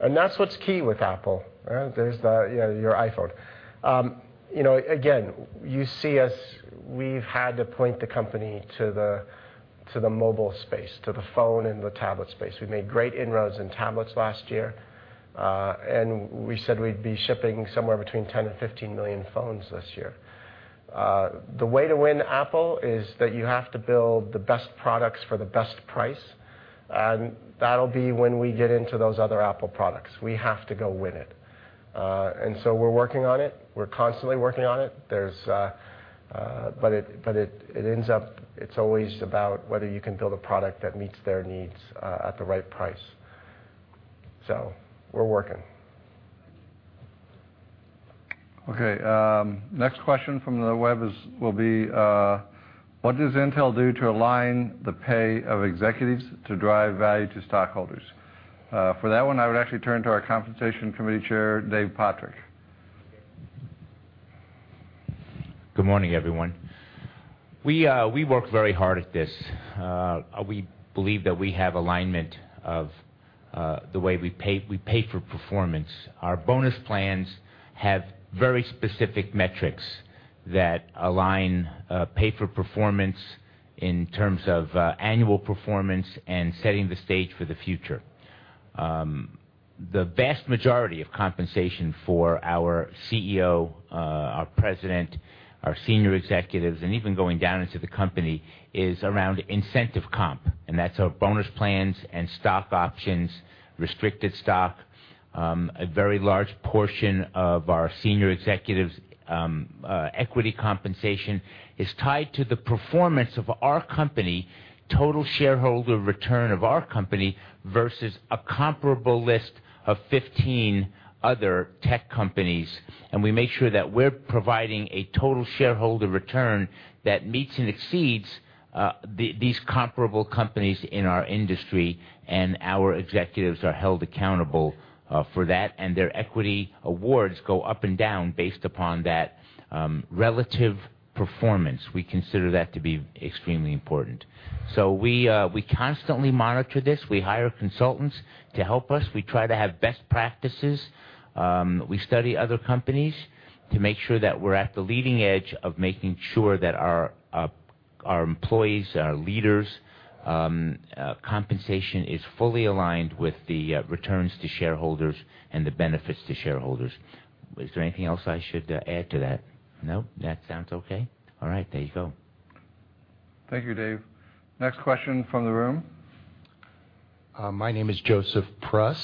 That's what's key with Apple. There's your iPhone. Again, you see us, we've had to point the company to the mobile space, to the phone and the tablet space. We made great inroads in tablets last year. We said we'd be shipping somewhere between 10 and 15 million phones this year. The way to win Apple is that you have to build the best products for the best price, that'll be when we get into those other Apple products. We have to go win it. We're working on it. We're constantly working on it. It ends up it's always about whether you can build a product that meets their needs at the right price. We're working. Okay. Next question from the web will be, what does Intel do to align the pay of executives to drive value to stockholders? For that one, I would actually turn to our Compensation Committee Chair, Dave Pottruck. Good morning, everyone. We work very hard at this. We believe that we have alignment of the way we pay for performance. Our bonus plans have very specific metrics that align pay for performance in terms of annual performance and setting the stage for the future. The vast majority of compensation for our CEO, our President, our senior executives, and even going down into the company, is around incentive comp, and that's our bonus plans and stock options, restricted stock. A very large portion of our senior executives' equity compensation is tied to the performance of our company, total shareholder return of our company versus a comparable list of 15 other tech companies, and we make sure that we're providing a total shareholder return that meets and exceeds these comparable companies in our industry, and our executives are held accountable for that, and their equity awards go up and down based upon that relative performance. We consider that to be extremely important. We constantly monitor this. We hire consultants to help us. We try to have best practices. We study other companies to make sure that we're at the leading edge of making sure that our employees, our leaders' compensation is fully aligned with the returns to shareholders and the benefits to shareholders. Is there anything else I should add to that? No? That sounds okay? All right, there you go. Thank you, Dave. Next question from the room. My name is Joseph Pruss.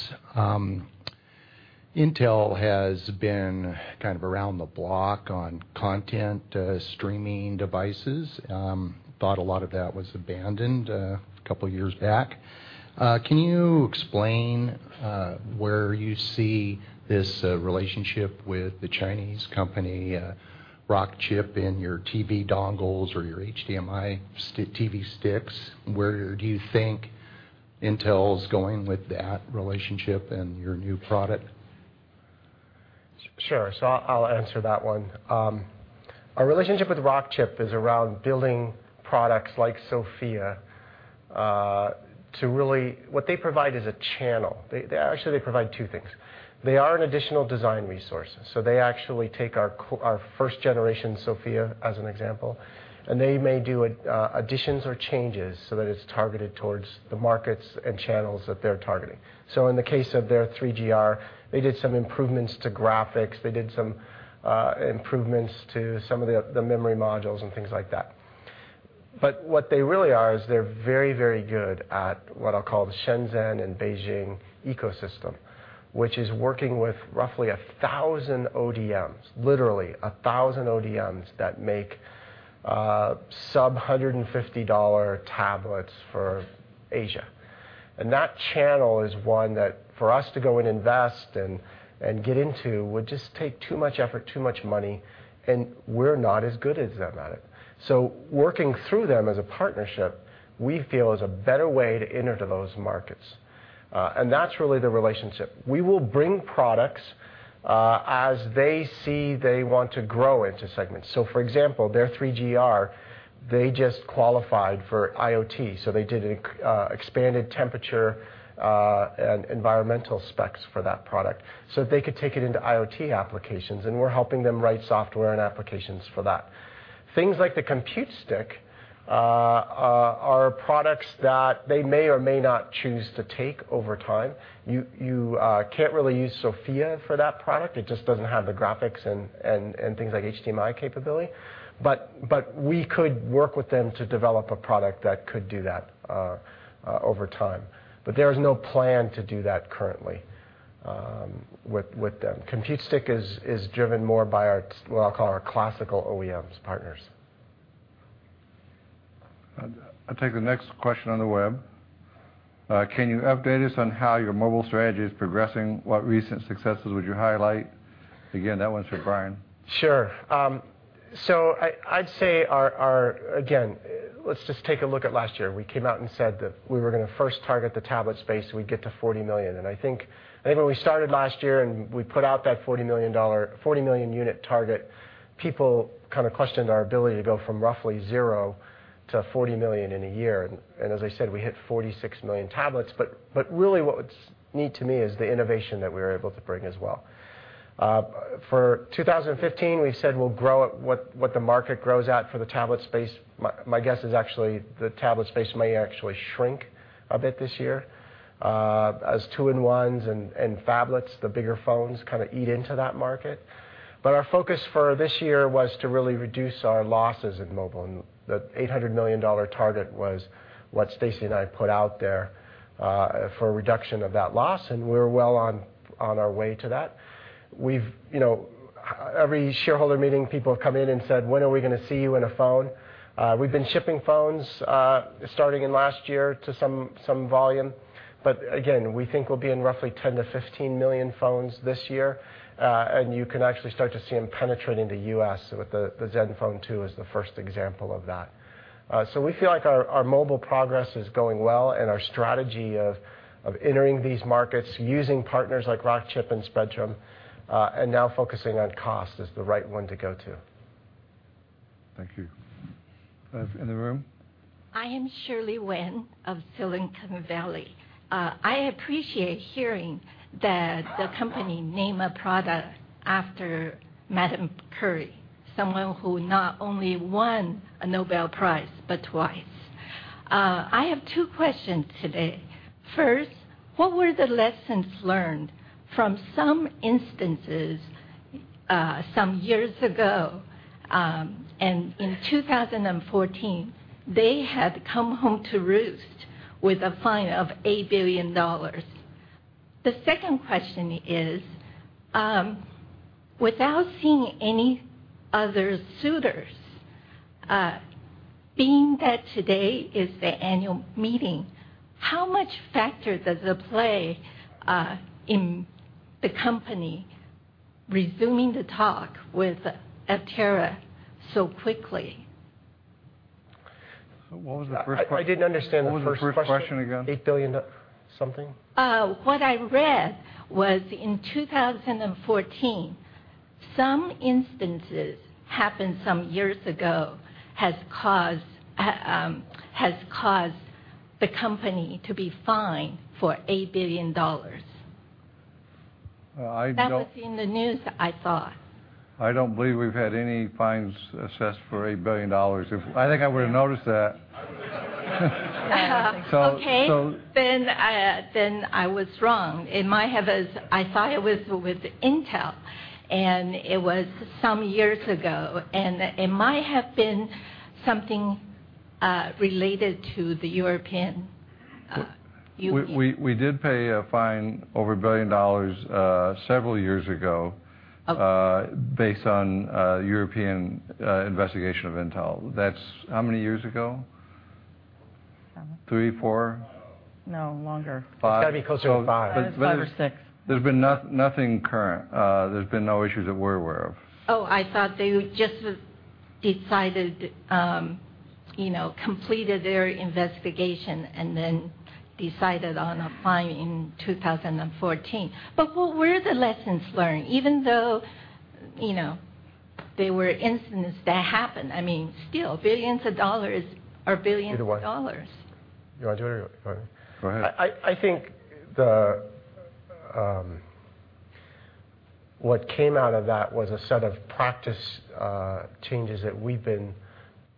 Intel has been kind of around the block on content streaming devices. I thought a lot of that was abandoned a couple of years back. Can you explain where you see this relationship with the Chinese company, Rockchip, in your TV dongles or your HDMI TV sticks? Where do you think Intel's going with that relationship and your new product? Sure. I'll answer that one. Our relationship with Rockchip is around building products like SoFIA. What they provide is a channel. Actually, they provide two things. They are an additional design resource. They actually take our first-generation SoFIA, as an example, and they may do additions or changes so that it's targeted towards the markets and channels that they're targeting. In the case of their 3GR, they did some improvements to graphics, they did some improvements to some of the memory modules, and things like that. What they really are is they're very good at, what I'll call, the Shenzhen and Beijing ecosystem, which is working with roughly 1,000 ODMs, literally 1,000 ODMs, that make sub-$150 tablets for Asia. That channel is one that for us to go and invest and get into would just take too much effort, too much money, and we're not as good as them at it. Working through them as a partnership, we feel is a better way to enter those markets. That's really the relationship. We will bring products as they see they want to grow into segments. For example, their 3GR, they just qualified for IoT, so they did expanded temperature and environmental specs for that product so that they could take it into IoT applications, and we're helping them write software and applications for that. Things like the Compute Stick are products that they may or may not choose to take over time. You can't really use SoFIA for that product. It just doesn't have the graphics and things like HDMI capability. We could work with them to develop a product that could do that over time. There is no plan to do that currently with them. Compute Stick is driven more by our, what I'll call, our classical OEMs partners. I'll take the next question on the web. Can you update us on how your mobile strategy is progressing? What recent successes would you highlight? Again, that one's for Brian. Sure. I'd say, again, let's just take a look at last year. We came out and said that we were going to first target the tablet space so we'd get to 40 million. I think when we started last year, we put out that 40 million unit target, people kind of questioned our ability to go from roughly 0 to 40 million in a year. As I said, we hit 46 million tablets. Really what's neat to me is the innovation that we were able to bring as well. For 2015, we said we'll grow at what the market grows at for the tablet space. My guess is actually the tablet space may actually shrink a bit this year as two-in-ones and phablets, the bigger phones, kind of eat into that market. Our focus for this year was to really reduce our losses in mobile, the $800 million target was what Stacy and I put out there for a reduction of that loss, we're well on our way to that. Every shareholder meeting, people have come in and said, "When are we going to see you in a phone?" We've been shipping phones starting in last year to some volume. Again, we think we'll be in roughly 10 million-15 million phones this year, and you can actually start to see them penetrate into U.S., with the ZenFone 2 as the first example of that. We feel like our mobile progress is going well and our strategy of entering these markets using partners like Rockchip and Spreadtrum, now focusing on cost, is the right one to go to. Thank you. In the room? I am Shirley Wen of Silicon Valley. I appreciate hearing that the company name a product after Madame Curie, someone who not only won a Nobel Prize, but twice. I have two questions today. First, what were the lessons learned from some instances some years ago? In 2014, they had come home to roost with a fine of $8 billion. The second question is, without seeing any other suitors, being that today is the annual meeting, how much factor does it play in the company resuming the talk with Altera so quickly? What was the first question? I didn't understand the first question. What was the first question again? $8 billion something? What I read was in 2014, some instances happened some years ago, has caused the company to be fined for $8 billion. I don't- That was in the news I saw. I don't believe we've had any fines assessed for $8 billion. I think I would've noticed that. Okay. So- I was wrong. I thought it was with Intel, and it was some years ago, and it might have been something related to the European Union. We did pay a fine over $1 billion several years ago. Okay based on a European investigation of Intel. That's how many years ago? Seven. Three, four? No. Longer. Five? It's got to be closer to five. It's five or six. There's been nothing current. There's been no issues that we're aware of. Oh, I thought they just completed their investigation, and then decided on a fine in 2014. Where are the lessons learned? Even though there were incidents that happened, still, billions of dollars are billions of dollars. You want to do it, or you want me? Go ahead. I think what came out of that was a set of practice changes that we've been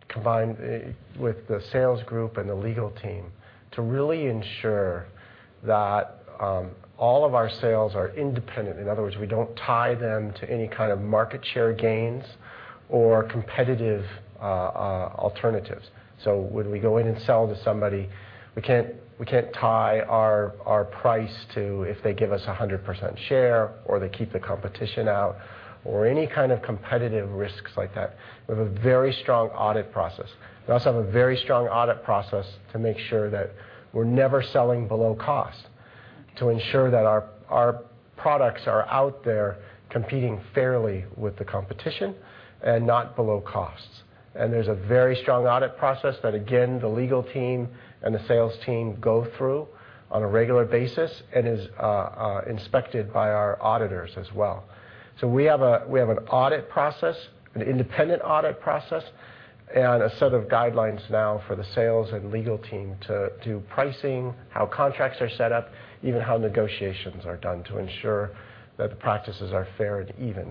combined with the sales group and the legal team to really ensure that all of our sales are independent. In other words, we don't tie them to any kind of market share gains or competitive alternatives. When we go in and sell to somebody, we can't tie our price to if they give us 100% share, or they keep the competition out, or any kind of competitive risks like that. We have a very strong audit process. We also have a very strong audit process to make sure that we're never selling below cost to ensure that our products are out there competing fairly with the competition and not below costs. There's a very strong audit process that, again, the legal team and the sales team go through on a regular basis, and is inspected by our auditors as well. We have an independent audit process and a set of guidelines now for the sales and legal team to do pricing, how contracts are set up, even how negotiations are done to ensure that the practices are fair and even.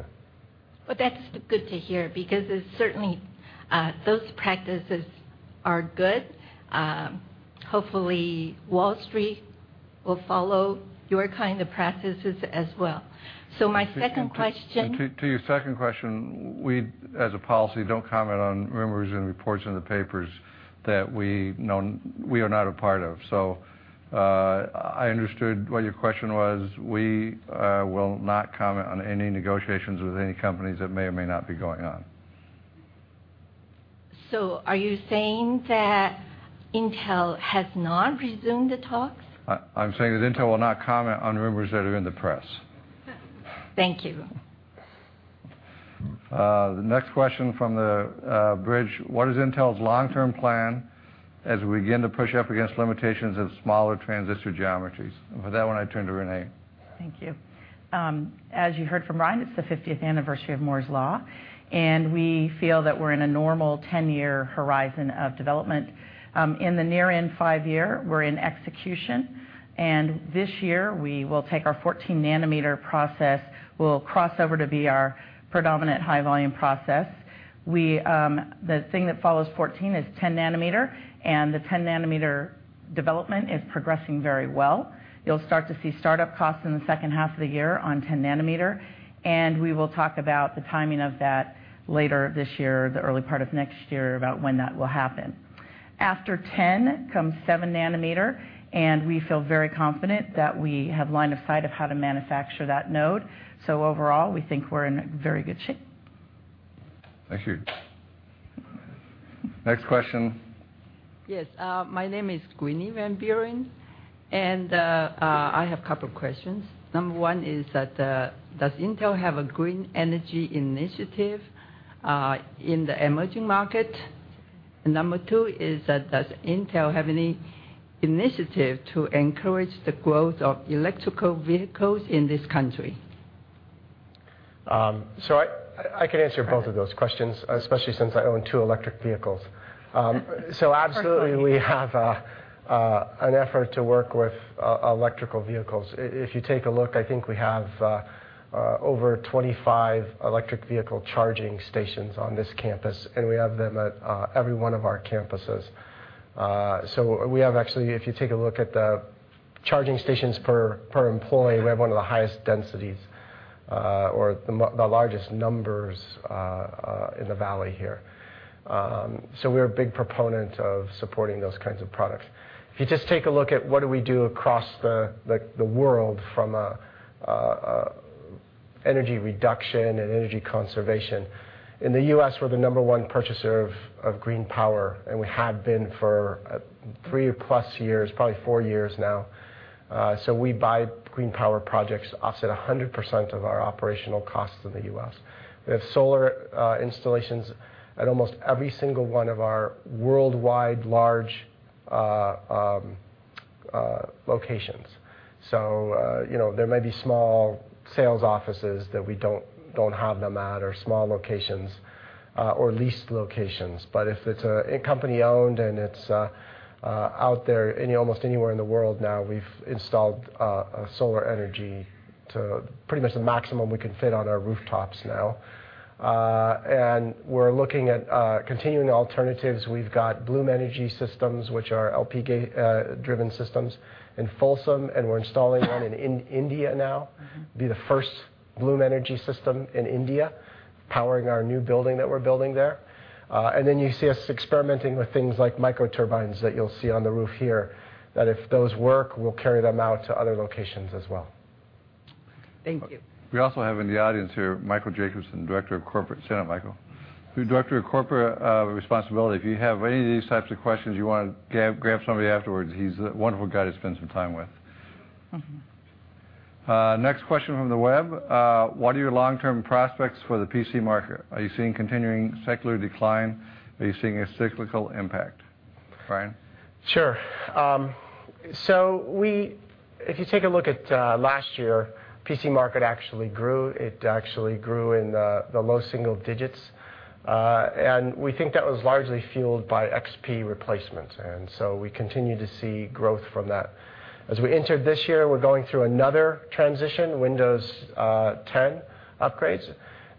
Well, that's good to hear because certainly, those practices are good. Hopefully, Wall Street will follow your kind of practices as well. My second question. To your second question, we, as a policy, don't comment on rumors and reports in the papers that we are not a part of. I understood what your question was. We will not comment on any negotiations with any companies that may or may not be going on. Are you saying that Intel has not resumed the talks? I'm saying that Intel will not comment on rumors that are in the press. Thank you. The next question from the bridge, what is Intel's long-term plan as we begin to push up against limitations of smaller transistor geometries? For that one, I turn to Renée. Thank you. As you heard from Brian, it's the 50th anniversary of Moore's Law, we feel that we're in a normal 10-year horizon of development. In the near in five-year, we're in execution, this year we will take our 14-nanometer process, will cross over to be our predominant high-volume process. The thing that follows 14 is 10 nanometer, the 10 nanometer development is progressing very well. You'll start to see startup costs in the second half of the year on 10 nanometer, we will talk about the timing of that later this year, the early part of next year, about when that will happen. After 10 comes 7 nanometer, we feel very confident that we have line of sight of how to manufacture that node. Overall, we think we're in very good shape. Thank you. Next question. Yes, my name is Gwynne van Zanten, I have a couple questions. Number 1 is does Intel have a green energy initiative in the emerging market? Number 2 is does Intel have any initiative to encourage the growth of electrical vehicles in this country? I can answer both of those questions, especially since I own two electric vehicles. Perfect. Absolutely we have an effort to work with electric vehicles. If you take a look, I think we have over 25 electric vehicle charging stations on this campus, and we have them at every one of our campuses. We have actually, if you take a look at the charging stations per employee, we have one of the highest densities or the largest numbers in the valley here. We are a big proponent of supporting those kinds of products. If you just take a look at what do we do across the world from an energy reduction and energy conservation. In the U.S., we are the number one purchaser of green power, and we have been for three plus years, probably four years now. We buy green power projects, offset 100% of our operational costs in the U.S. We have solar installations at almost every single one of our worldwide large locations. There may be small sales offices that we don't have them at or small locations, or leased locations. But if it's company-owned and it's out there almost anywhere in the world now, we have installed solar energy to pretty much the maximum we can fit on our rooftops now. We are looking at continuing alternatives. We have got Bloom Energy systems, which are LPG-driven systems in Folsom, and we are installing one in India now. Be the first Bloom Energy system in India, powering our new building that we are building there. You see us experimenting with things like microturbines that you will see on the roof here, that if those work, we will carry them out to other locations as well. Thank you. We also have in the audience here, Michael Jacobson, Director of Corporate Responsibility. If you have any of these types of questions you want to grab somebody afterwards, he's a wonderful guy to spend some time with. Next question from the web. What are your long-term prospects for the PC market? Are you seeing continuing secular decline? Are you seeing a cyclical impact? Brian? Sure. If you take a look at last year, PC market actually grew. It actually grew in the low single digits. We think that was largely fueled by XP replacement. We continue to see growth from that. As we entered this year, we're going through another transition, Windows 10 upgrades,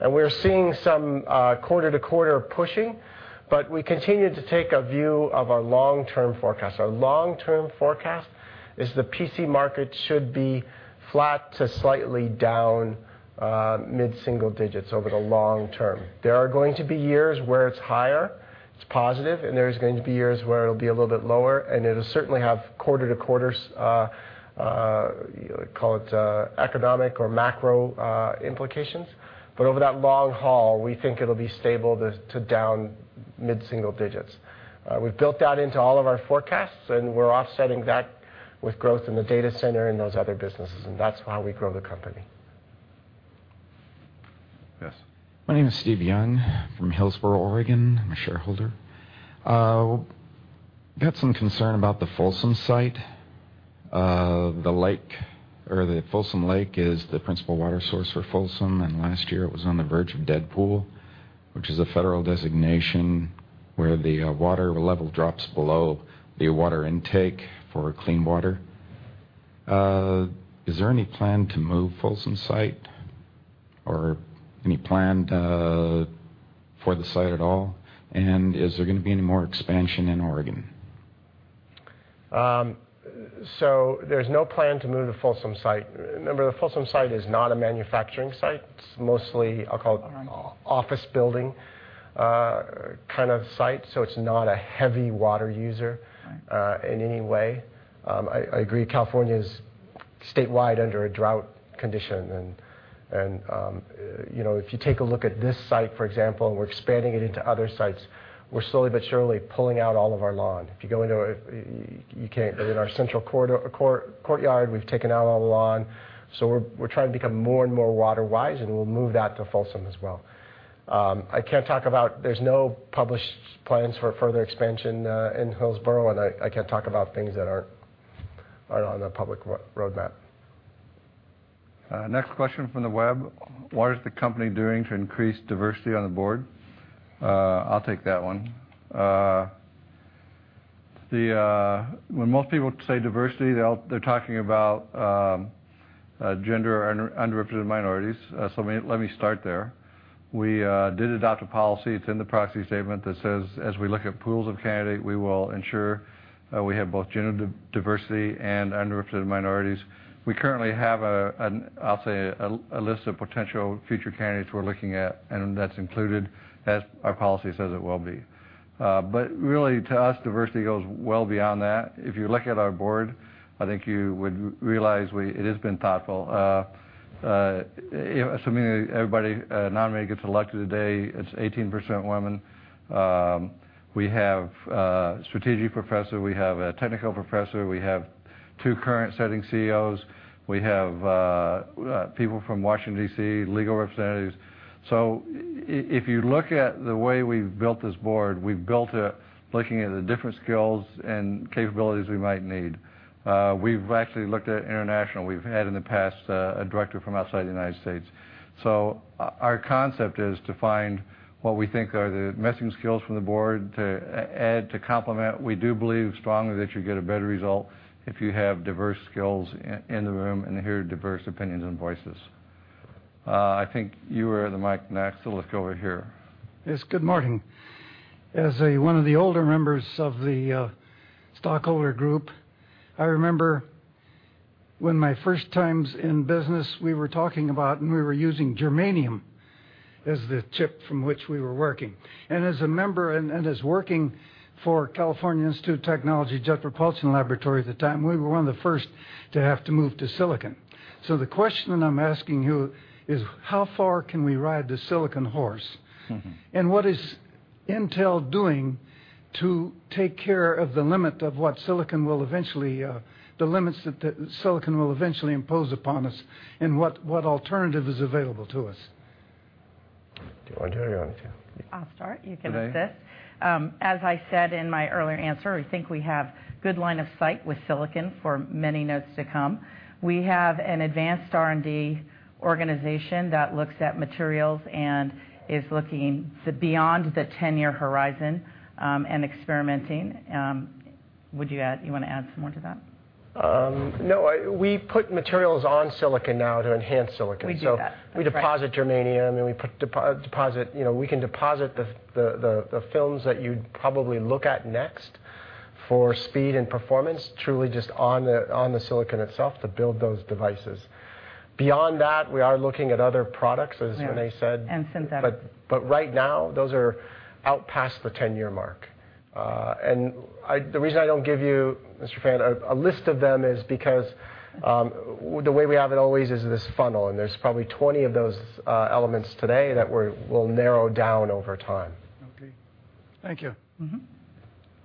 we're seeing some quarter-to-quarter pushing, we continue to take a view of our long-term forecast. Our long-term forecast is the PC market should be flat to slightly down, mid-single digits over the long term. There are going to be years where it's higher, it's positive, and there's going to be years where it'll be a little bit lower, and it'll certainly have quarter-to-quarter, call it, economic or macro implications. Over that long haul, we think it'll be stable to down mid-single digits. We've built that into all of our forecasts, and we're offsetting that with growth in the data center and those other businesses, and that's how we grow the company. Yes. My name is Steve Young from Hillsboro, Oregon. I'm a shareholder. Got some concern about the Folsom site. The Folsom Lake is the principal water source for Folsom, and last year it was on the verge of dead pool, which is a federal designation where the water level drops below the water intake for clean water. Is there any plan to move Folsom site or any plan for the site at all? Is there going to be any more expansion in Oregon? There's no plan to move the Folsom site. Remember, the Folsom site is not a manufacturing site. It's mostly. Right It's an office building kind of site. It's not a heavy water user. Right in any way. I agree, California's statewide under a drought condition and if you take a look at this site, for example, and we're expanding it into other sites, we're slowly but surely pulling out all of our lawn. In our central courtyard, we've taken out all the lawn, so we're trying to become more and more water wise, and we'll move that to Folsom as well. There's no published plans for further expansion in Hillsboro, and I can't talk about things that aren't on the public roadmap. Next question from the web. What is the company doing to increase diversity on the board? I'll take that one. When most people say diversity, they're talking about gender or underrepresented minorities. Let me start there. We did adopt a policy, it's in the proxy statement, that says, as we look at pools of candidate, we will ensure that we have both gender diversity and underrepresented minorities. We currently have, I'll say, a list of potential future candidates we're looking at, and that's included as our policy says it will be. Really, to us, diversity goes well beyond that. If you look at our board, I think you would realize it has been thoughtful. Assuming everybody nominated gets elected today, it's 18% women. We have a strategic professor, we have a technical professor, we have two current sitting CEOs. We have people from Washington, D.C., legal representatives. If you look at the way we've built this board, we've built it looking at the different skills and capabilities we might need. We've actually looked at international. We've had in the past, a director from outside the United States. Our concept is to find what we think are the missing skills from the board to add, to complement. We do believe strongly that you get a better result if you have diverse skills in the room and hear diverse opinions and voices. I think you were at the mic next, let's go over here. Yes. Good morning. As one of the older members of the stockholder group, I remember when my first times in business, we were talking about, and we were using germanium as the chip from which we were working. As a member and as working for California Institute of Technology Jet Propulsion Laboratory at the time, we were one of the first to have to move to silicon. The question that I'm asking you is how far can we ride the silicon horse? What is Intel doing to take care of the limits that the silicon will eventually impose upon us, and what alternative is available to us? Do you want to or you want me to? I'll start. You can assist. Okay. As I said in my earlier answer, I think we have good line of sight with silicon for many nodes to come. We have an advanced R&D organization that looks at materials and is looking to beyond the 10-year horizon, and experimenting. You want to add some more to that? No. We put materials on silicon now to enhance silicon. We do that. That's right. We deposit germanium, and we can deposit the films that you'd probably look at next for speed and performance, truly just on the silicon itself to build those devices. Beyond that, we are looking at other products, as Renée said. Yes, synthetic. Right now, those are out past the 10-year mark. The reason I don't give you, Mr. Fan, a list of them is because, the way we have it always is this funnel, and there's probably 20 of those elements today that we'll narrow down over time. Okay. Thank you.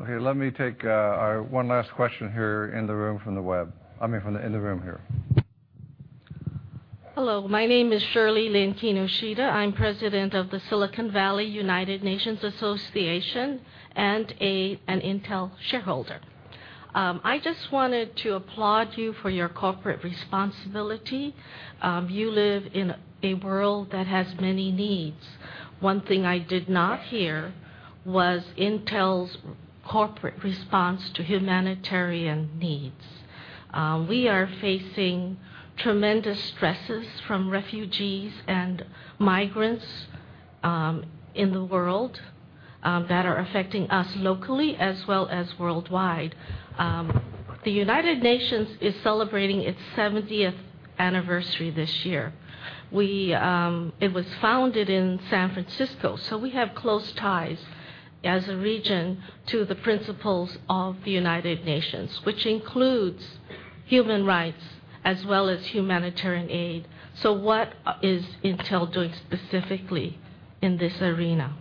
Okay. Let me take our one last question here in the room from the web. I mean in the room here. Hello. My name is Shirley Cantu-Adame. I'm President of the Silicon Valley United Nations Association and an Intel shareholder. I just wanted to applaud you for your corporate responsibility. You live in a world that has many needs. One thing I did not hear was Intel's corporate response to humanitarian needs. We are facing tremendous stresses from refugees and migrants in the world that are affecting us locally as well as worldwide. The United Nations is celebrating its 70th anniversary this year. It was founded in San Francisco, so we have close ties as a region to the principles of the United Nations, which includes human rights as well as humanitarian aid. What is Intel doing specifically in this arena?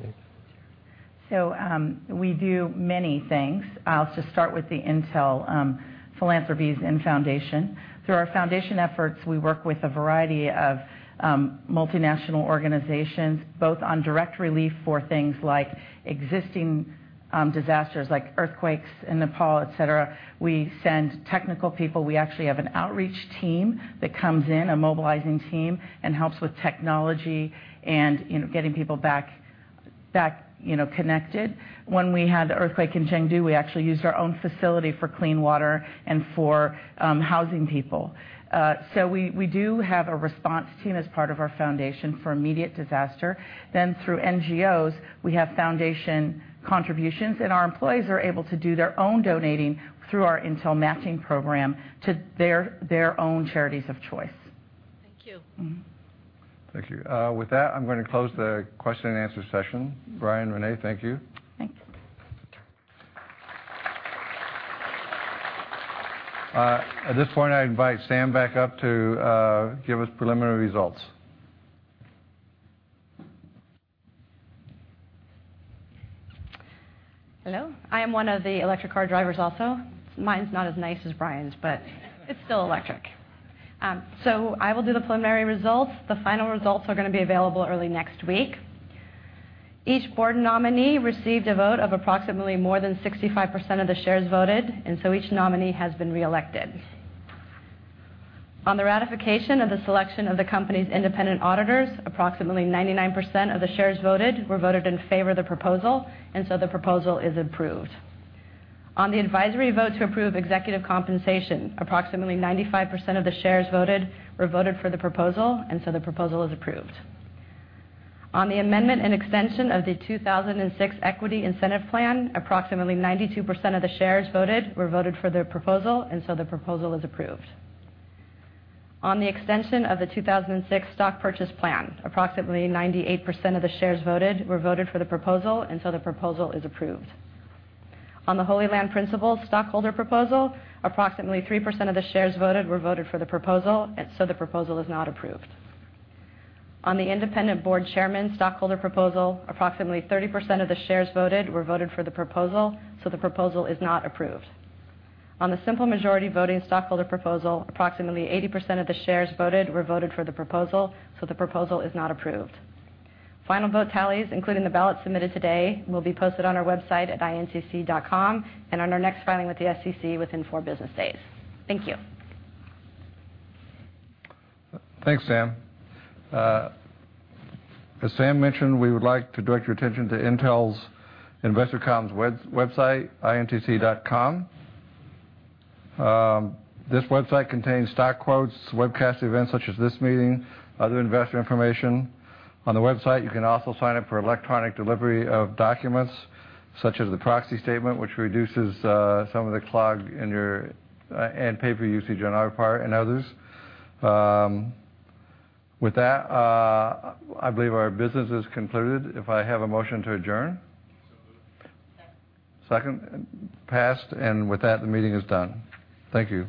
We do many things. I'll just start with the Intel philanthropies and foundation. Through our foundation efforts, we work with a variety of multinational organizations, both on direct relief for things like existing disasters, like earthquakes in Nepal, et cetera. We send technical people. We actually have an outreach team that comes in, a mobilizing team, and helps with technology and getting people back connected. When we had the earthquake in Chengdu, we actually used our own facility for clean water and for housing people. We do have a response team as part of our foundation for immediate disaster. Then through NGOs, we have foundation contributions, and our employees are able to do their own donating through our Intel Matching Program to their own charities of choice. Thank you. Thank you. With that, I'm going to close the question and answer session. Brian, Renée, thank you. Thank you. At this point, I invite Sam back up to give us preliminary results. Hello. I am one of the electric car drivers also. Mine's not as nice as Brian's, but it's still electric. I will do the preliminary results. The final results are going to be available early next week. Each board nominee received a vote of approximately more than 65% of the shares voted, each nominee has been reelected. On the ratification of the selection of the company's independent auditors, approximately 99% of the shares voted were voted in favor of the proposal, the proposal is approved. On the advisory vote to approve executive compensation, approximately 95% of the shares voted were voted for the proposal, the proposal is approved. On the amendment and extension of the 2006 Equity Incentive Plan, approximately 92% of the shares voted were voted for the proposal, the proposal is approved. On the extension of the 2006 Stock Purchase Plan, approximately 98% of the shares voted were voted for the proposal, the proposal is approved. On the Holy Land Principles stockholder proposal, approximately 3% of the shares voted were voted for the proposal, the proposal is not approved. On the independent board chairman stockholder proposal, approximately 30% of the shares voted were voted for the proposal, the proposal is not approved. On the simple majority voting stockholder proposal, approximately 80% of the shares voted were voted for the proposal, the proposal is not approved. Final vote tallies, including the ballot submitted today, will be posted on our website at intc.com and on our next filing with the SEC within four business days. Thank you. Thanks, Sam. As Sam mentioned, we would like to direct your attention to Intel's investor comms website, intc.com. This website contains stock quotes, webcast events such as this meeting, other investor information. On the website, you can also sign up for electronic delivery of documents such as the proxy statement, which reduces some of the paper usage on our part and others. With that, I believe our business is concluded. If I have a motion to adjourn? Moved. Second. Second. Passed. With that, the meeting is done. Thank you.